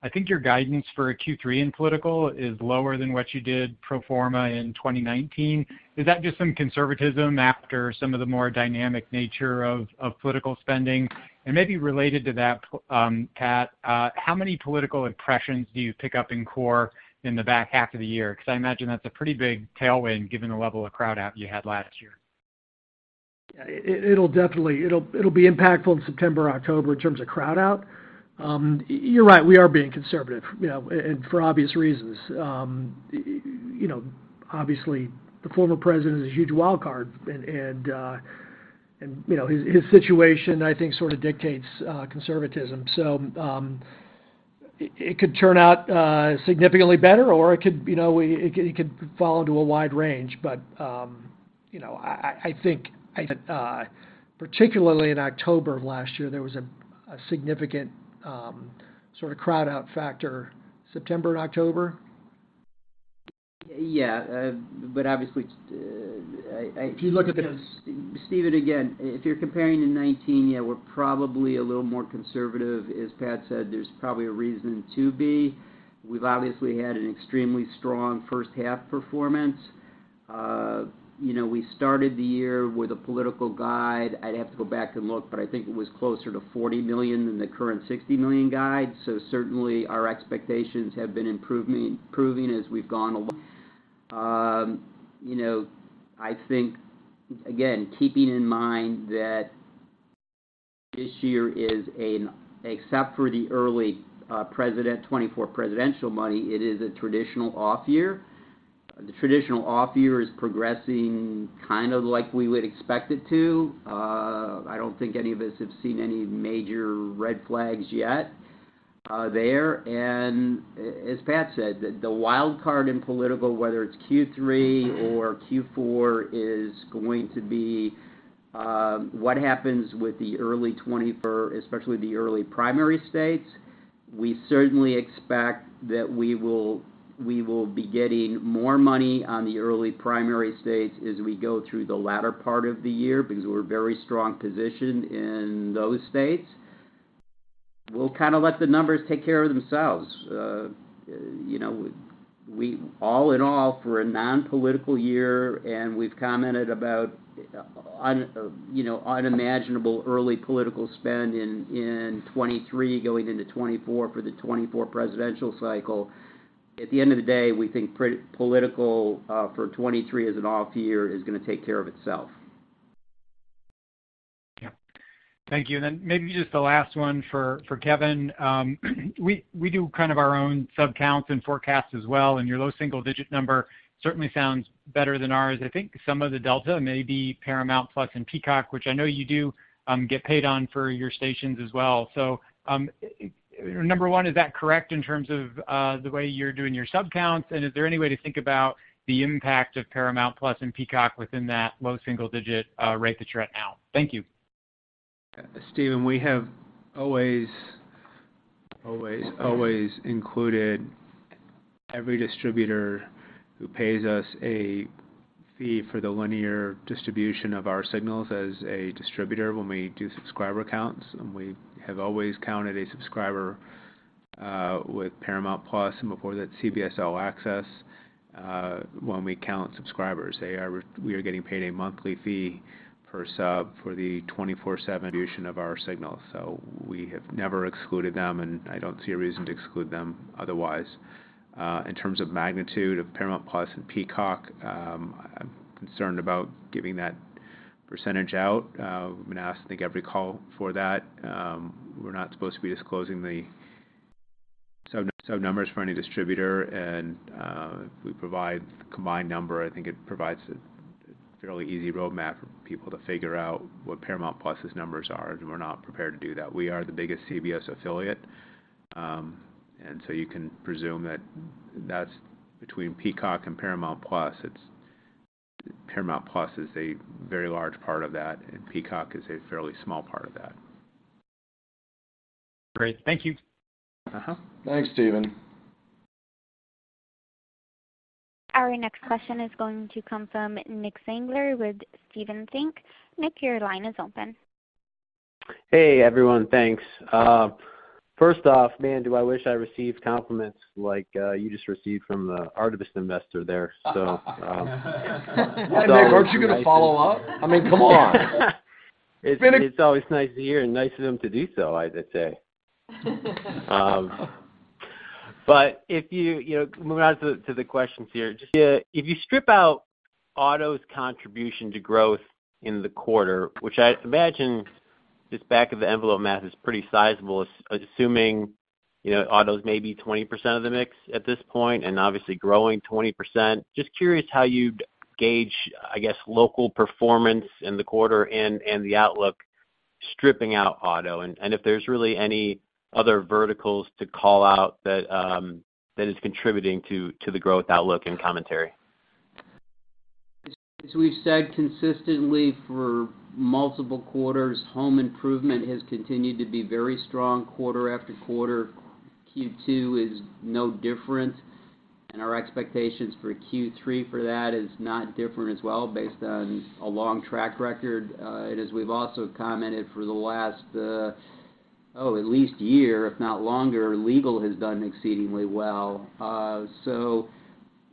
I think your guidance for Q3 in political is lower than what you did pro forma in 2019. Is that just some conservatism after some of the more dynamic nature of, of political spending? Maybe related to that, Pat, how many political impressions do you pick up in core in the back half of the year? Because I imagine that's a pretty big tailwind, given the level of crowd out you had last year. Yeah, it, it'll be impactful in September or October in terms of crowd out. You're right, we are being conservative, you know, and for obvious reasons. You know, obviously, the former president is a huge wildcard, and, you know, his, his situation, I think, sort of dictates, conservatism. It, it could turn out significantly better, or it could, you know, it, it could fall into a wide range. You know, I, I, I think, particularly in October of last year, there was a significant, sort of crowd-out factor, September and October? Yeah, obviously. If you look at. Steven, again, if you're comparing to 2019, yeah, we're probably a little more conservative. As Pat said, there's probably a reason to be. We've obviously had an extremely strong first half performance. you know, we started the year with a political guide. I'd have to go back and look, but I think it was closer to $40 million than the current $60 million guide. Certainly, our expectations have been improving, improving as we've gone along. you know, I think, again, keeping in mind that this year is an, except for the early, president, 2024 presidential money, it is a traditional off year. The traditional off year is progressing kind of like we would expect it to. I don't think any of us have seen any major red flags yet, there. As Pat said, the, the wild card in political, whether it's Q3 or Q4, is going to be what happens with the early 2024, especially the early primary states. We certainly expect that we will, we will be getting more money on the early primary states as we go through the latter part of the year because we're very strong positioned in those states. We'll kind of let the numbers take care of themselves. You know, we -- all in all, for a non-political year, and we've commented about, you know, unimaginable early political spend in, in 2023, going into 2024 for the 2024 presidential cycle. At the end of the day, we think pre- political, for 2023 as an off year, is going to take care of itself. Yeah. Thank you. Maybe just the last one for, for Kevin. We, we do kind of our own subcounts and forecasts as well, and your low single digit number certainly sounds better than ours. I think some of the delta may be Paramount+ and Peacock, which I know you do get paid on for your stations as well. Number one, is that correct in terms of the way you're doing your subcounts? Is there any way to think about the impact of Paramount+ and Peacock within that low single digit rate that you're at now? Thank you. Steven, we have always, always, always included every distributor who pays us a fee for the linear distribution of our signals as a distributor when we do subscriber counts. We have always counted a subscriber with Paramount+, and before that, CBS All Access. When we count subscribers, we are getting paid a monthly fee per sub for the 24/7 distribution of our signals, so we have never excluded them, and I don't see a reason to exclude them otherwise. In terms of magnitude of Paramount+ and Peacock, I'm concerned about giving that percentage out. We've been asked, I think, every call for that. We're not supposed to be disclosing the sub, sub numbers for any distributor, and we provide the combined number. I think it provides a fairly easy roadmap for people to figure out what Paramount+’s numbers are, and we’re not prepared to do that. We are the biggest CBS affiliate, and so you can presume that that’s between Peacock and Paramount+. Paramount+ is a very large part of that, and Peacock is a fairly small part of that. Great. Thank you. Uh-huh. Thanks, Steven. Our next question is going to come from Nick Zangler with Stephens. Nick, your line is open. Hey, everyone. Thanks. First off, man, do I wish I received compliments like, you just received from the Artemis investor there. Aren't you going to follow up? I mean, come on. It's, it's always nice to hear and nice of them to do so, I'd just say. If you, you know, moving on to the, to the questions here. Just, if you strip out auto's contribution to growth in the quarter, which I imagine this back-of-the-envelope math is pretty sizable, assuming, you know, autos may be 20% of the mix at this point, and obviously growing 20%. Just curious how you'd gauge, I guess, local performance in the quarter and, and the outlook, stripping out auto, and, and if there's really any other verticals to call out that, that is contributing to, to the growth outlook and commentary. We've said consistently for multiple quarters, home improvement has continued to be very strong quarter after quarter. Q2 is no different, and our expectations for Q3 for that is not different as well, based on a long track record. It is, we've also commented for the last, oh, at least year, if not longer, legal has done exceedingly well.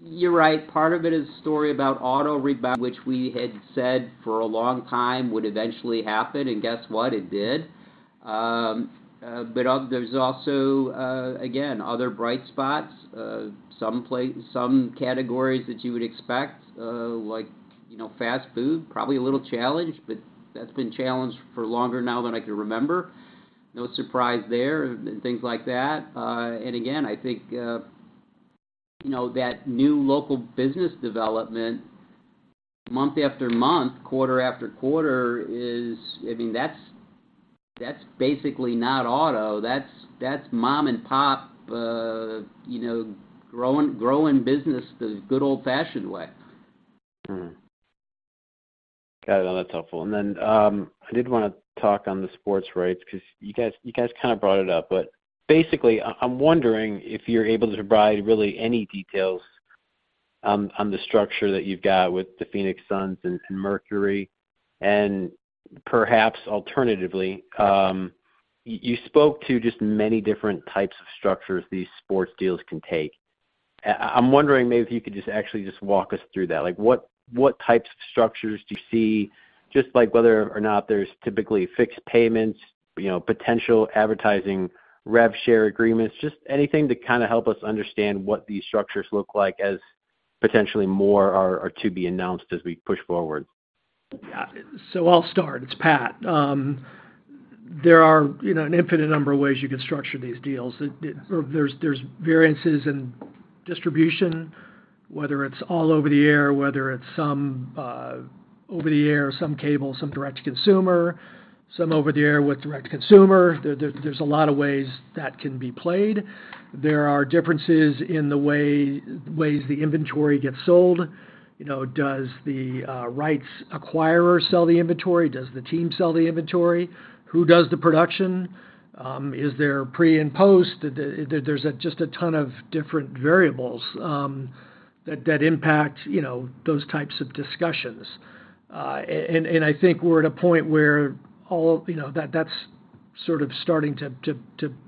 You're right. Part of it is a story about auto rebound, which we had said for a long time would eventually happen, and guess what? It did. There's also, again, other bright spots. Some categories that you would expect, like, you know, fast food, probably a little challenged, but that's been challenged for longer now than I can remember. No surprise there, and things like that. Again, I think... you know, that new local business development, month after month, quarter after quarter, is, I mean, that's, that's basically not auto, that's, that's mom and pop, you know, growing, growing business the good old-fashioned way. Mm-hmm. Got it. Well, that's helpful. Then, I did wanna talk on the sports rights, 'cause you guys, you guys kind of brought it up, but basically, I, I'm wondering if you're able to provide really any details on the structure that you've got with the Phoenix Suns and Mercury. Perhaps alternatively, you, you spoke to just many different types of structures these sports deals can take. I'm wondering maybe if you could just actually just walk us through that. Like, what, what types of structures do you see? Just like whether or not there's typically fixed payments, you know, potential advertising, rev share agreements, just anything to kind of help us understand what these structures look like as potentially more are, are to be announced as we push forward. Yeah. I'll start. It's Pat. There are, you know, an infinite number of ways you can structure these deals. It, there's variances in distribution, whether it's all over the air, whether it's some, over the air, some cable, some direct to consumer, some over the air with direct to consumer. There's a lot of ways that can be played. There are differences in the ways the inventory gets sold. You know, does the rights acquirer sell the inventory? Does the team sell the inventory? Who does the production? Is there pre and post? The, there's a just a ton of different variables, that impact, you know, those types of discussions. And I think we're at a point where all, you know, that's sort of starting to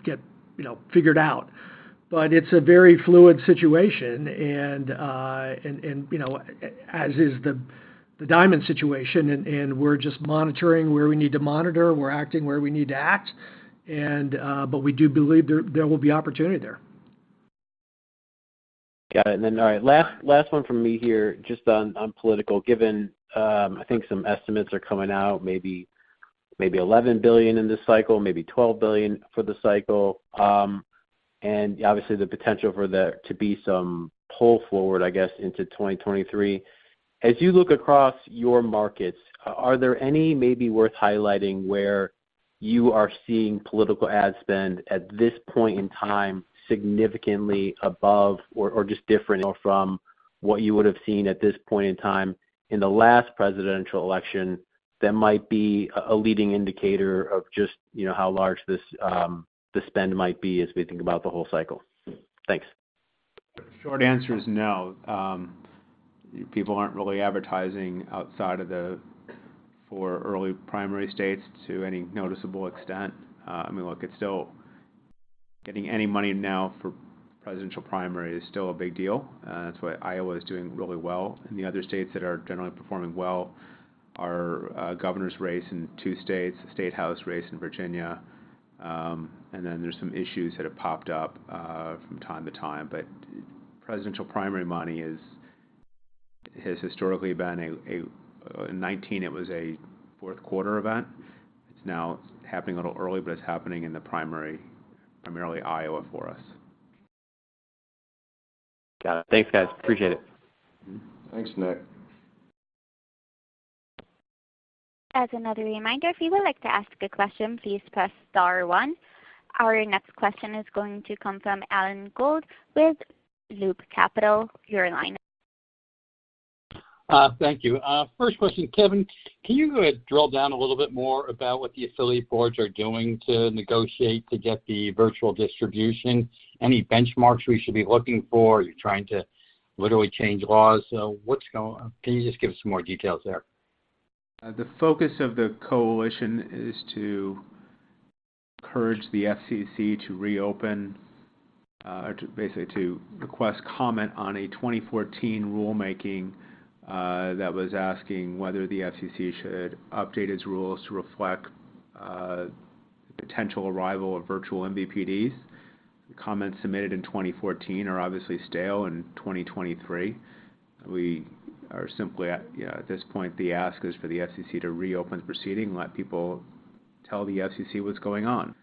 get, you know, figured out. It's a very fluid situation, and, and, you know, as is the Diamond situation, and, and we're just monitoring where we need to monitor. We're acting where we need to act. But we do believe there, there will be opportunity there. Got it. Then, all right, last, last one from me here, just on, on political, given, I think some estimates are coming out, maybe, maybe $11 billion in this cycle, maybe $12 billion for the cycle. Obviously, the potential for there to be some pull forward, I guess, into 2023. As you look across your markets, are there any maybe worth highlighting where you are seeing political ad spend at this point in time, significantly above or, or just different from what you would have seen at this point in time in the last presidential election, that might be a, a leading indicator of just, you know, how large this, the spend might be as we think about the whole cycle? Thanks. Short answer is no. People aren't really advertising outside of the four early primary states to any noticeable extent. I mean, look, it's still getting any money now for presidential primary is still a big deal, that's why Iowa is doing really well. The other states that are generally performing well are, governor's race in two states, state House race in Virginia, and then there's some issues that have popped up from time to time. Presidential primary money is, has historically been a, a, in 2019, it was a fourth quarter event. It's now happening a little early, but it's happening in the primary, primarily Iowa for us. Got it. Thanks, guys. Appreciate it. Thanks, Nick. As another reminder, if you would like to ask a question, please press star one. Our next question is going to come from Alan Gould with Loop Capital. Your line is- Thank you. First question, Kevin, can you go ahead and drill down a little bit more about what the affiliate boards are doing to negotiate to get the virtual distribution? Any benchmarks we should be looking for? You're trying to literally change laws. What's going on? Can you just give us some more details there? The focus of the Coalition is to encourage the FCC to reopen, basically to request comment on a 2014 rulemaking that was asking whether the FCC should update its rules to reflect potential arrival of virtual MVPDs. The comments submitted in 2014 are obviously stale, in 2023. We are simply at, you know, at this point, the ask is for the FCC to reopen the proceeding and let people tell the FCC what's going on.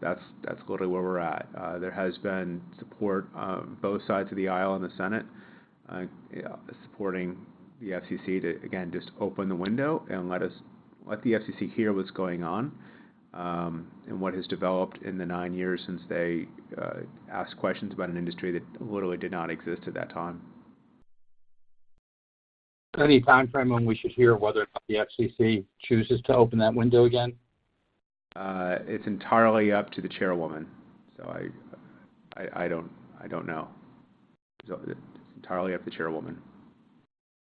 That's, that's literally where we're at. There has been support, both sides of the aisle in the Senate, supporting the FCC to, again, just open the window and let the FCC hear what's going on, and what has developed in the 9 years since they asked questions about an industry that literally did not exist at that time. Any timeframe when we should hear whether or not the FCC chooses to open that window again? It's entirely up to the chairwoman, so I, I, I don't, I don't know. Entirely up to the chairwoman.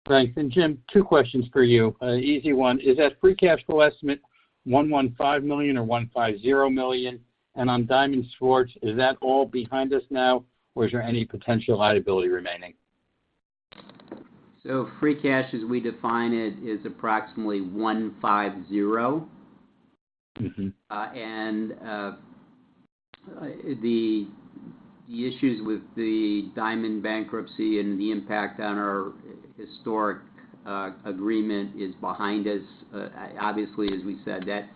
Thanks. Jim, two questions for you. Easy one, is that free cash flow estimate, $115 million or $150 million? On Diamond Sports, is that all behind us now, or is there any potential liability remaining? Free cash, as we define it, is approximately $150. Mm-hmm. The issues with the Diamond bankruptcy and the impact on our historic agreement is behind us. Obviously, as we said, that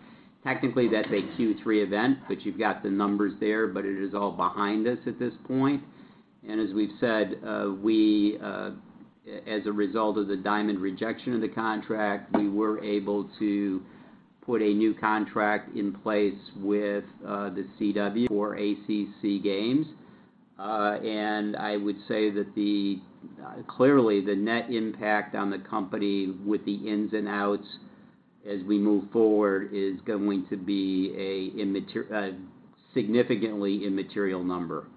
technically that's a Q3 event, but you've got the numbers there, but it is all behind us at this point. As we've said, we, as a result of the Diamond rejection of the contract, we were able to put a new contract in place with The CW or ACC Games. I would say that clearly, the net impact on the company with the ins and outs as we move forward, is going to be an immaterial, a significantly immaterial number.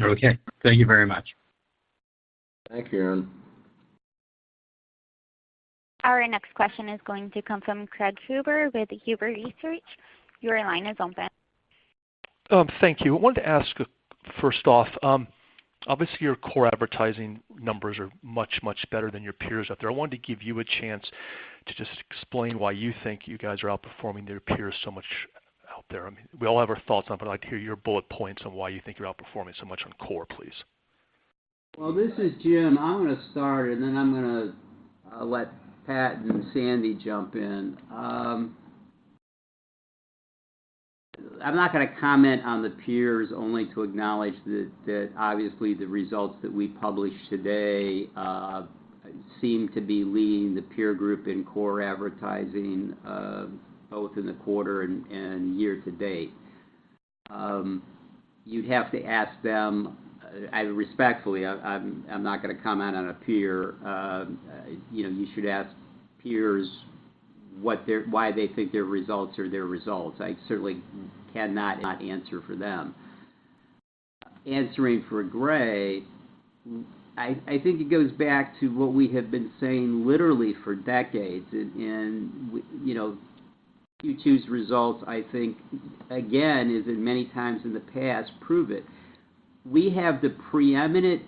Okay, thank you very much. Thank you, Aaron. Our next question is going to come from Craig Huber with Huber Research. Your line is open. Thank you. I wanted to ask, first off, obviously, your core advertising numbers are much, much better than your peers out there. I wanted to give you a chance to just explain why you think you guys are outperforming your peers so much out there. I mean, we all have our thoughts on, but I'd like to hear your bullet points on why you think you're outperforming so much on core, please. Well, this is Jim. I'm going to start, and then I'm gonna let Pat and Sandy jump in. I'm not going to comment on the peers, only to acknowledge that, that obviously the results that we published today, seem to be leading the peer group in core advertising, both in the quarter and, and year-to-date. You'd have to ask them, I respectfully, I'm, I'm not going to comment on a peer. You know, you should ask peers what why they think their results are their results. I certainly cannot, not answer for them. Answering for Gray, I, I think it goes back to what we have been saying literally for decades. You know, Q2's results, I think, again, as in many times in the past, prove it. We have the preeminent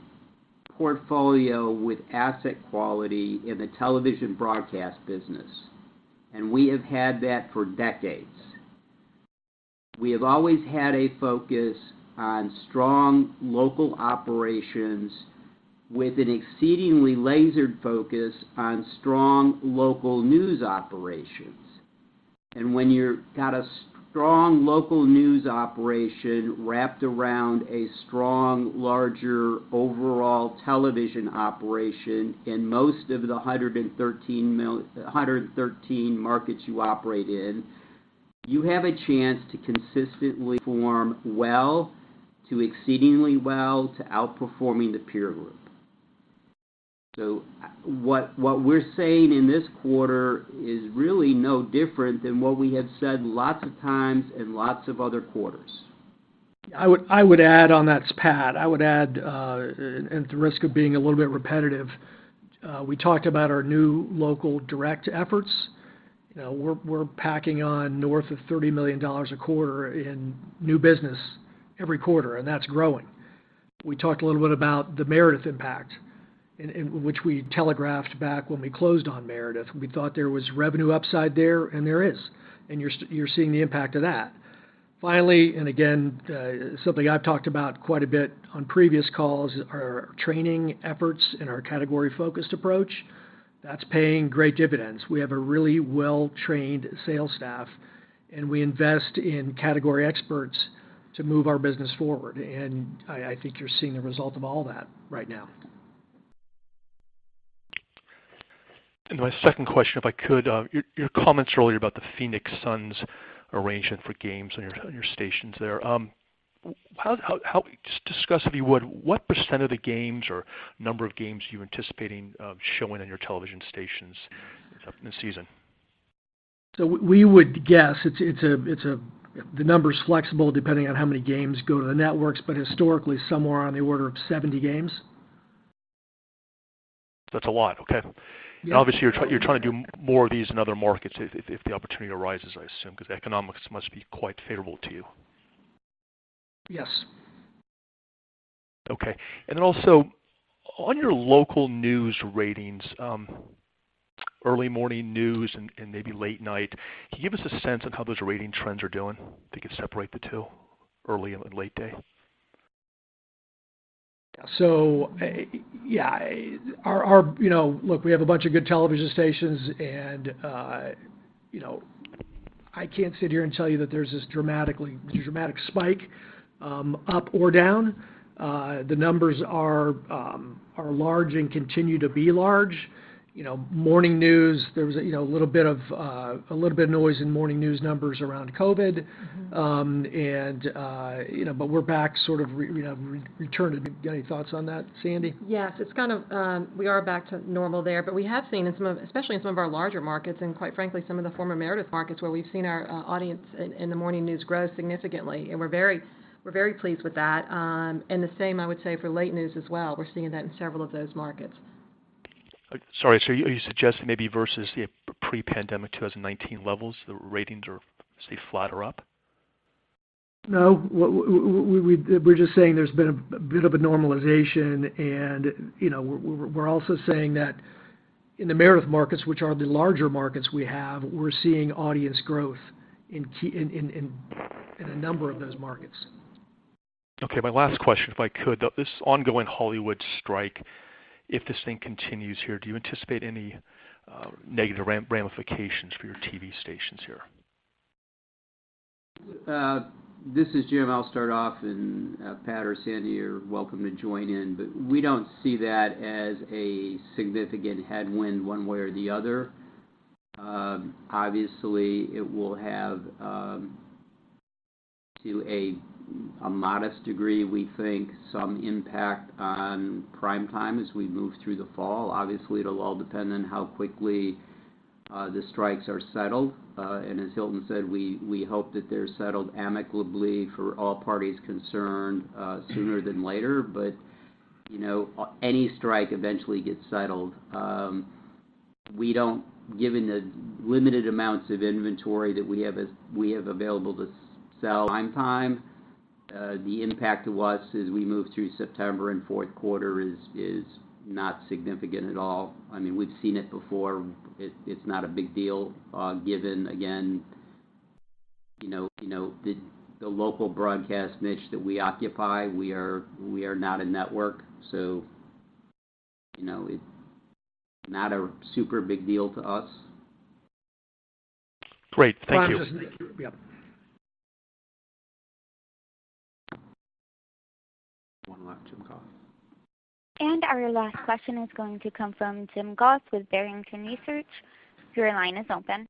portfolio with asset quality in the television broadcast business, and we have had that for decades. We have always had a focus on strong local operations with an exceedingly lasered focus on strong local news operations. When you've got a strong local news operation wrapped around a strong, larger overall television operation in most of the 113 markets you operate in, you have a chance to consistently form well, to exceedingly well, to outperforming the peer group. What we're saying in this quarter is really no different than what we have said lots of times in lots of other quarters. I would, I would add on, that's Pat. I would add, at the risk of being a little bit repetitive, we talked about our new local direct efforts. You know, we're, we're packing on north of $30 million a quarter in new business every quarter, and that's growing. We talked a little bit about the Meredith impact, and, and which we telegraphed back when we closed on Meredith. We thought there was revenue upside there, and there is, and you're seeing the impact of that. Finally, again, something I've talked about quite a bit on previous calls, our training efforts and our category focused approach, that's paying great dividends. We have a really well-trained sales staff, and we invest in category experts to move our business forward. I, I think you're seeing the result of all that right now. My second question, if I could, your, your comments earlier about the Phoenix Suns arrangement for games on your, on your stations there. Just discuss, if you would, what percent of the games or number of games are you anticipating, showing on your television stations in the season? We would guess it's the number's flexible, depending on how many games go to the networks, but historically, somewhere on the order of 70 games. That's a lot. Okay. Yeah. Obviously, you're trying, you're trying to do more of these in other markets if, if the opportunity arises, I assume, because economics must be quite favorable to you. Yes. Okay. Then also on your local news ratings, early morning news and, and maybe late night, can you give us a sense of how those rating trends are doing? If you could separate the two, early and late day. Yeah, our, our... You know, look, we have a bunch of good television stations, and, you know, I can't sit here and tell you that there's this dramatic spike, up or down. The numbers are, are large and continue to be large. You know, morning news, there was a, you know, a little bit of, a little bit of noise in morning news numbers around COVID. You know, but we're back, sort of, you know, returned. Any thoughts on that, Sandy? Yes, it's kind of, we are back to normal there, but we have seen in some of-- especially in some of our larger markets and quite frankly, some of the former Meredith markets, where we've seen our audience in, in the morning news grow significantly, and we're very, we're very pleased with that. The same, I would say, for late news as well. We're seeing that in several of those markets. Sorry, are you suggesting maybe versus the pre-pandemic 2019 levels, the ratings are, say, flatter up? No, we're just saying there's been a, a bit of a normalization, and, you know, we're, we're also saying in the Meredith markets, which are the larger markets we have, we're seeing audience growth in key, in a number of those markets. Okay, my last question, if I could. This ongoing Hollywood strike, if this thing continues here, do you anticipate any negative ram- ramifications for your TV stations here? This is Jim. I'll start off, Pat or Sandy are welcome to join in, we don't see that as a significant headwind one way or the other. Obviously, it will have to a modest degree, we think some impact on prime time as we move through the fall. Obviously, it'll all depend on how quickly the strikes are settled. As Hilton said, we hope that they're settled amicably for all parties concerned sooner than later. You know, any strike eventually gets settled. We don't Given the limited amounts of inventory that we have available to sell prime time, the impact to us as we move through September and fourth quarter is not significant at all. I mean, we've seen it before. It, it's not a big deal, given, again, you know, you know, the, the local broadcast niche that we occupy. We are, we are not a network, so, you know, it's not a super big deal to us. Great. Thank you. Yep. One last, Jim Goss. Our last question is going to come from Jim Goss with Barrington Research. Your line is open.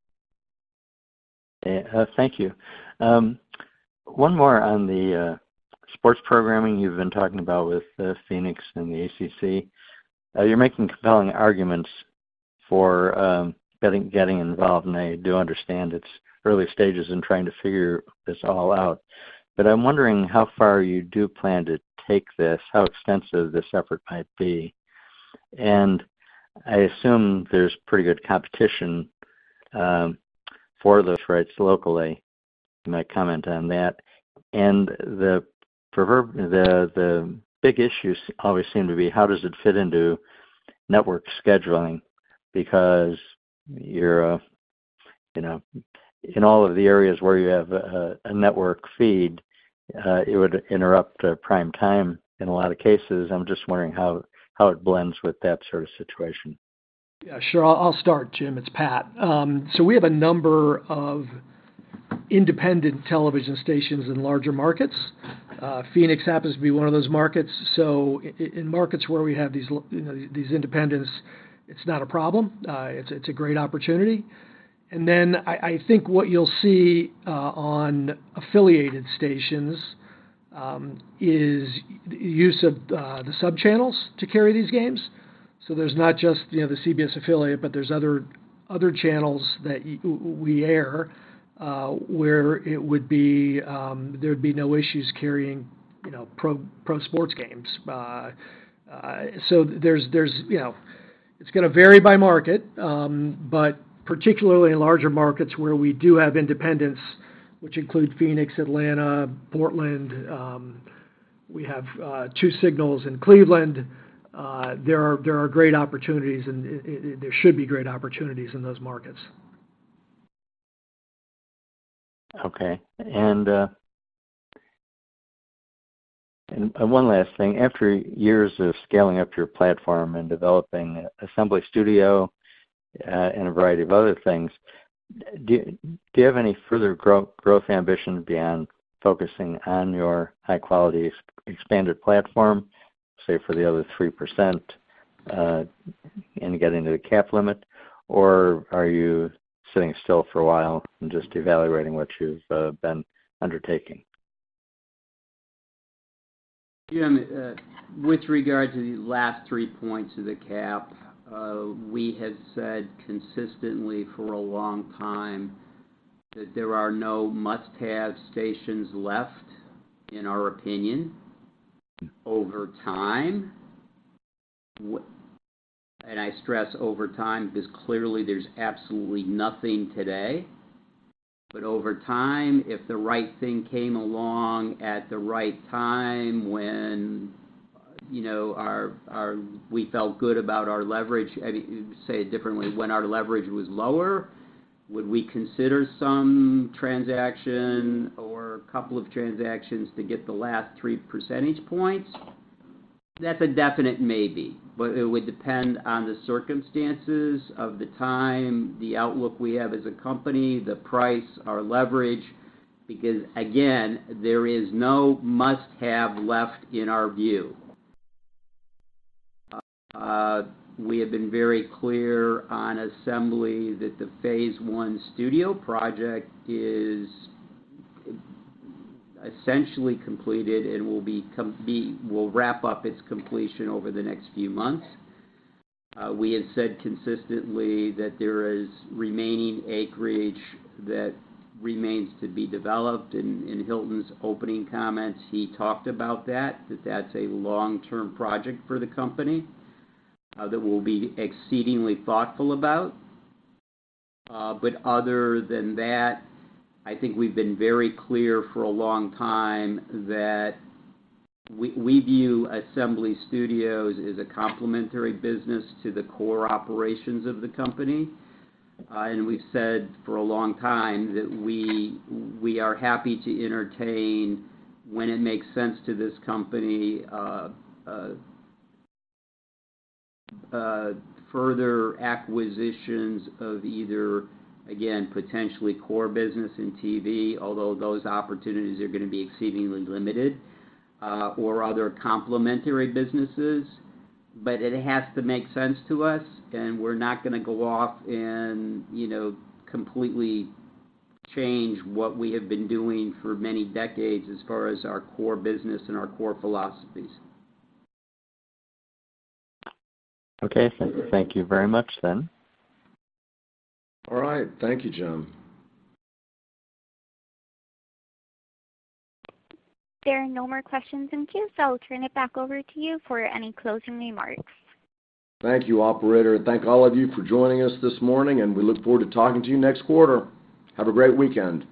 Hey, thank you. One more on the sports programming you've been talking about with Phoenix and the ACC. You're making compelling arguments for getting, getting involved. I do understand it's early stages in trying to figure this all out. I'm wondering how far you do plan to take this, how extensive this effort might be. I assume there's pretty good competition for those rights locally. My comment on that. The big issues always seem to be, how does it fit into network scheduling? Because you're, you know, in all of the areas where you have a network feed, it would interrupt prime time in a lot of cases. I'm just wondering how, how it blends with that sort of situation. Yeah, sure. I'll, I'll start, Jim. It's Pat. We have a number of independent television stations in larger markets. Phoenix happens to be one of those markets. In markets where we have these you know, these independents, it's not a problem. It's, it's a great opportunity. I, I think what you'll see on affiliated stations is use of the subchannels to carry these games. There's not just, you know, the CBS affiliate, but there's other, other channels that we air where it would be there'd be no issues carrying, you know, pro sports games. There's you know, it's gonna vary by market, but particularly in larger markets where we do have independents, which include Phoenix, Atlanta, Portland, we have two signals in Cleveland. There are, there are great opportunities and there should be great opportunities in those markets. Okay. One last thing. After years of scaling up your platform and developing Assembly Studios, and a variety of other things, do you, do you have any further growth ambitions beyond focusing on your high-quality expanded platform, say, for the other 3%, and getting to the cap limit? Or are you sitting still for a while and just evaluating what you've been undertaking? Jim, with regard to the last 3 points of the cap, we have said consistently for a long time that there are no must-have stations left, in our opinion, over time. I stress over time, because clearly there's absolutely nothing today. Over time, if the right thing came along at the right time when, you know, we felt good about our leverage. I mean, say it differently, when our leverage was lower, would we consider some transaction or a couple of transactions to get the last 3 percentage points? That's a definite maybe, but it would depend on the circumstances of the time, the outlook we have as a company, the price, our leverage, because, again, there is no must-have left in our view. We have been very clear on Assembly that the phase one studio project is essentially completed and will wrap up its completion over the next few months. We have said consistently that there is remaining acreage that remains to be developed. And in Hilton's opening comments, he talked about that, that that's a long-term project for the company that we'll be exceedingly thoughtful about. Other than that, I think we've been very clear for a long time that we, we view Assembly Studios as a complementary business to the core operations of the company. We've said for a long time that we, we are happy to entertain when it makes sense to this company, further acquisitions of either, again, potentially core business in TV, although those opportunities are gonna be exceedingly limited, or other complementary businesses. It has to make sense to us, and we're not gonna go off and, you know, completely change what we have been doing for many decades as far as our core business and our core philosophies. Okay. Thank you very much, then. All right. Thank you, Jim. There are no more questions in queue. I'll turn it back over to you for any closing remarks. Thank you, operator. Thank all of you for joining us this morning, and we look forward to talking to you next quarter. Have a great weekend.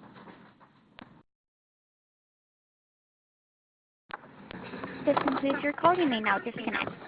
This concludes your call. You may now disconnect.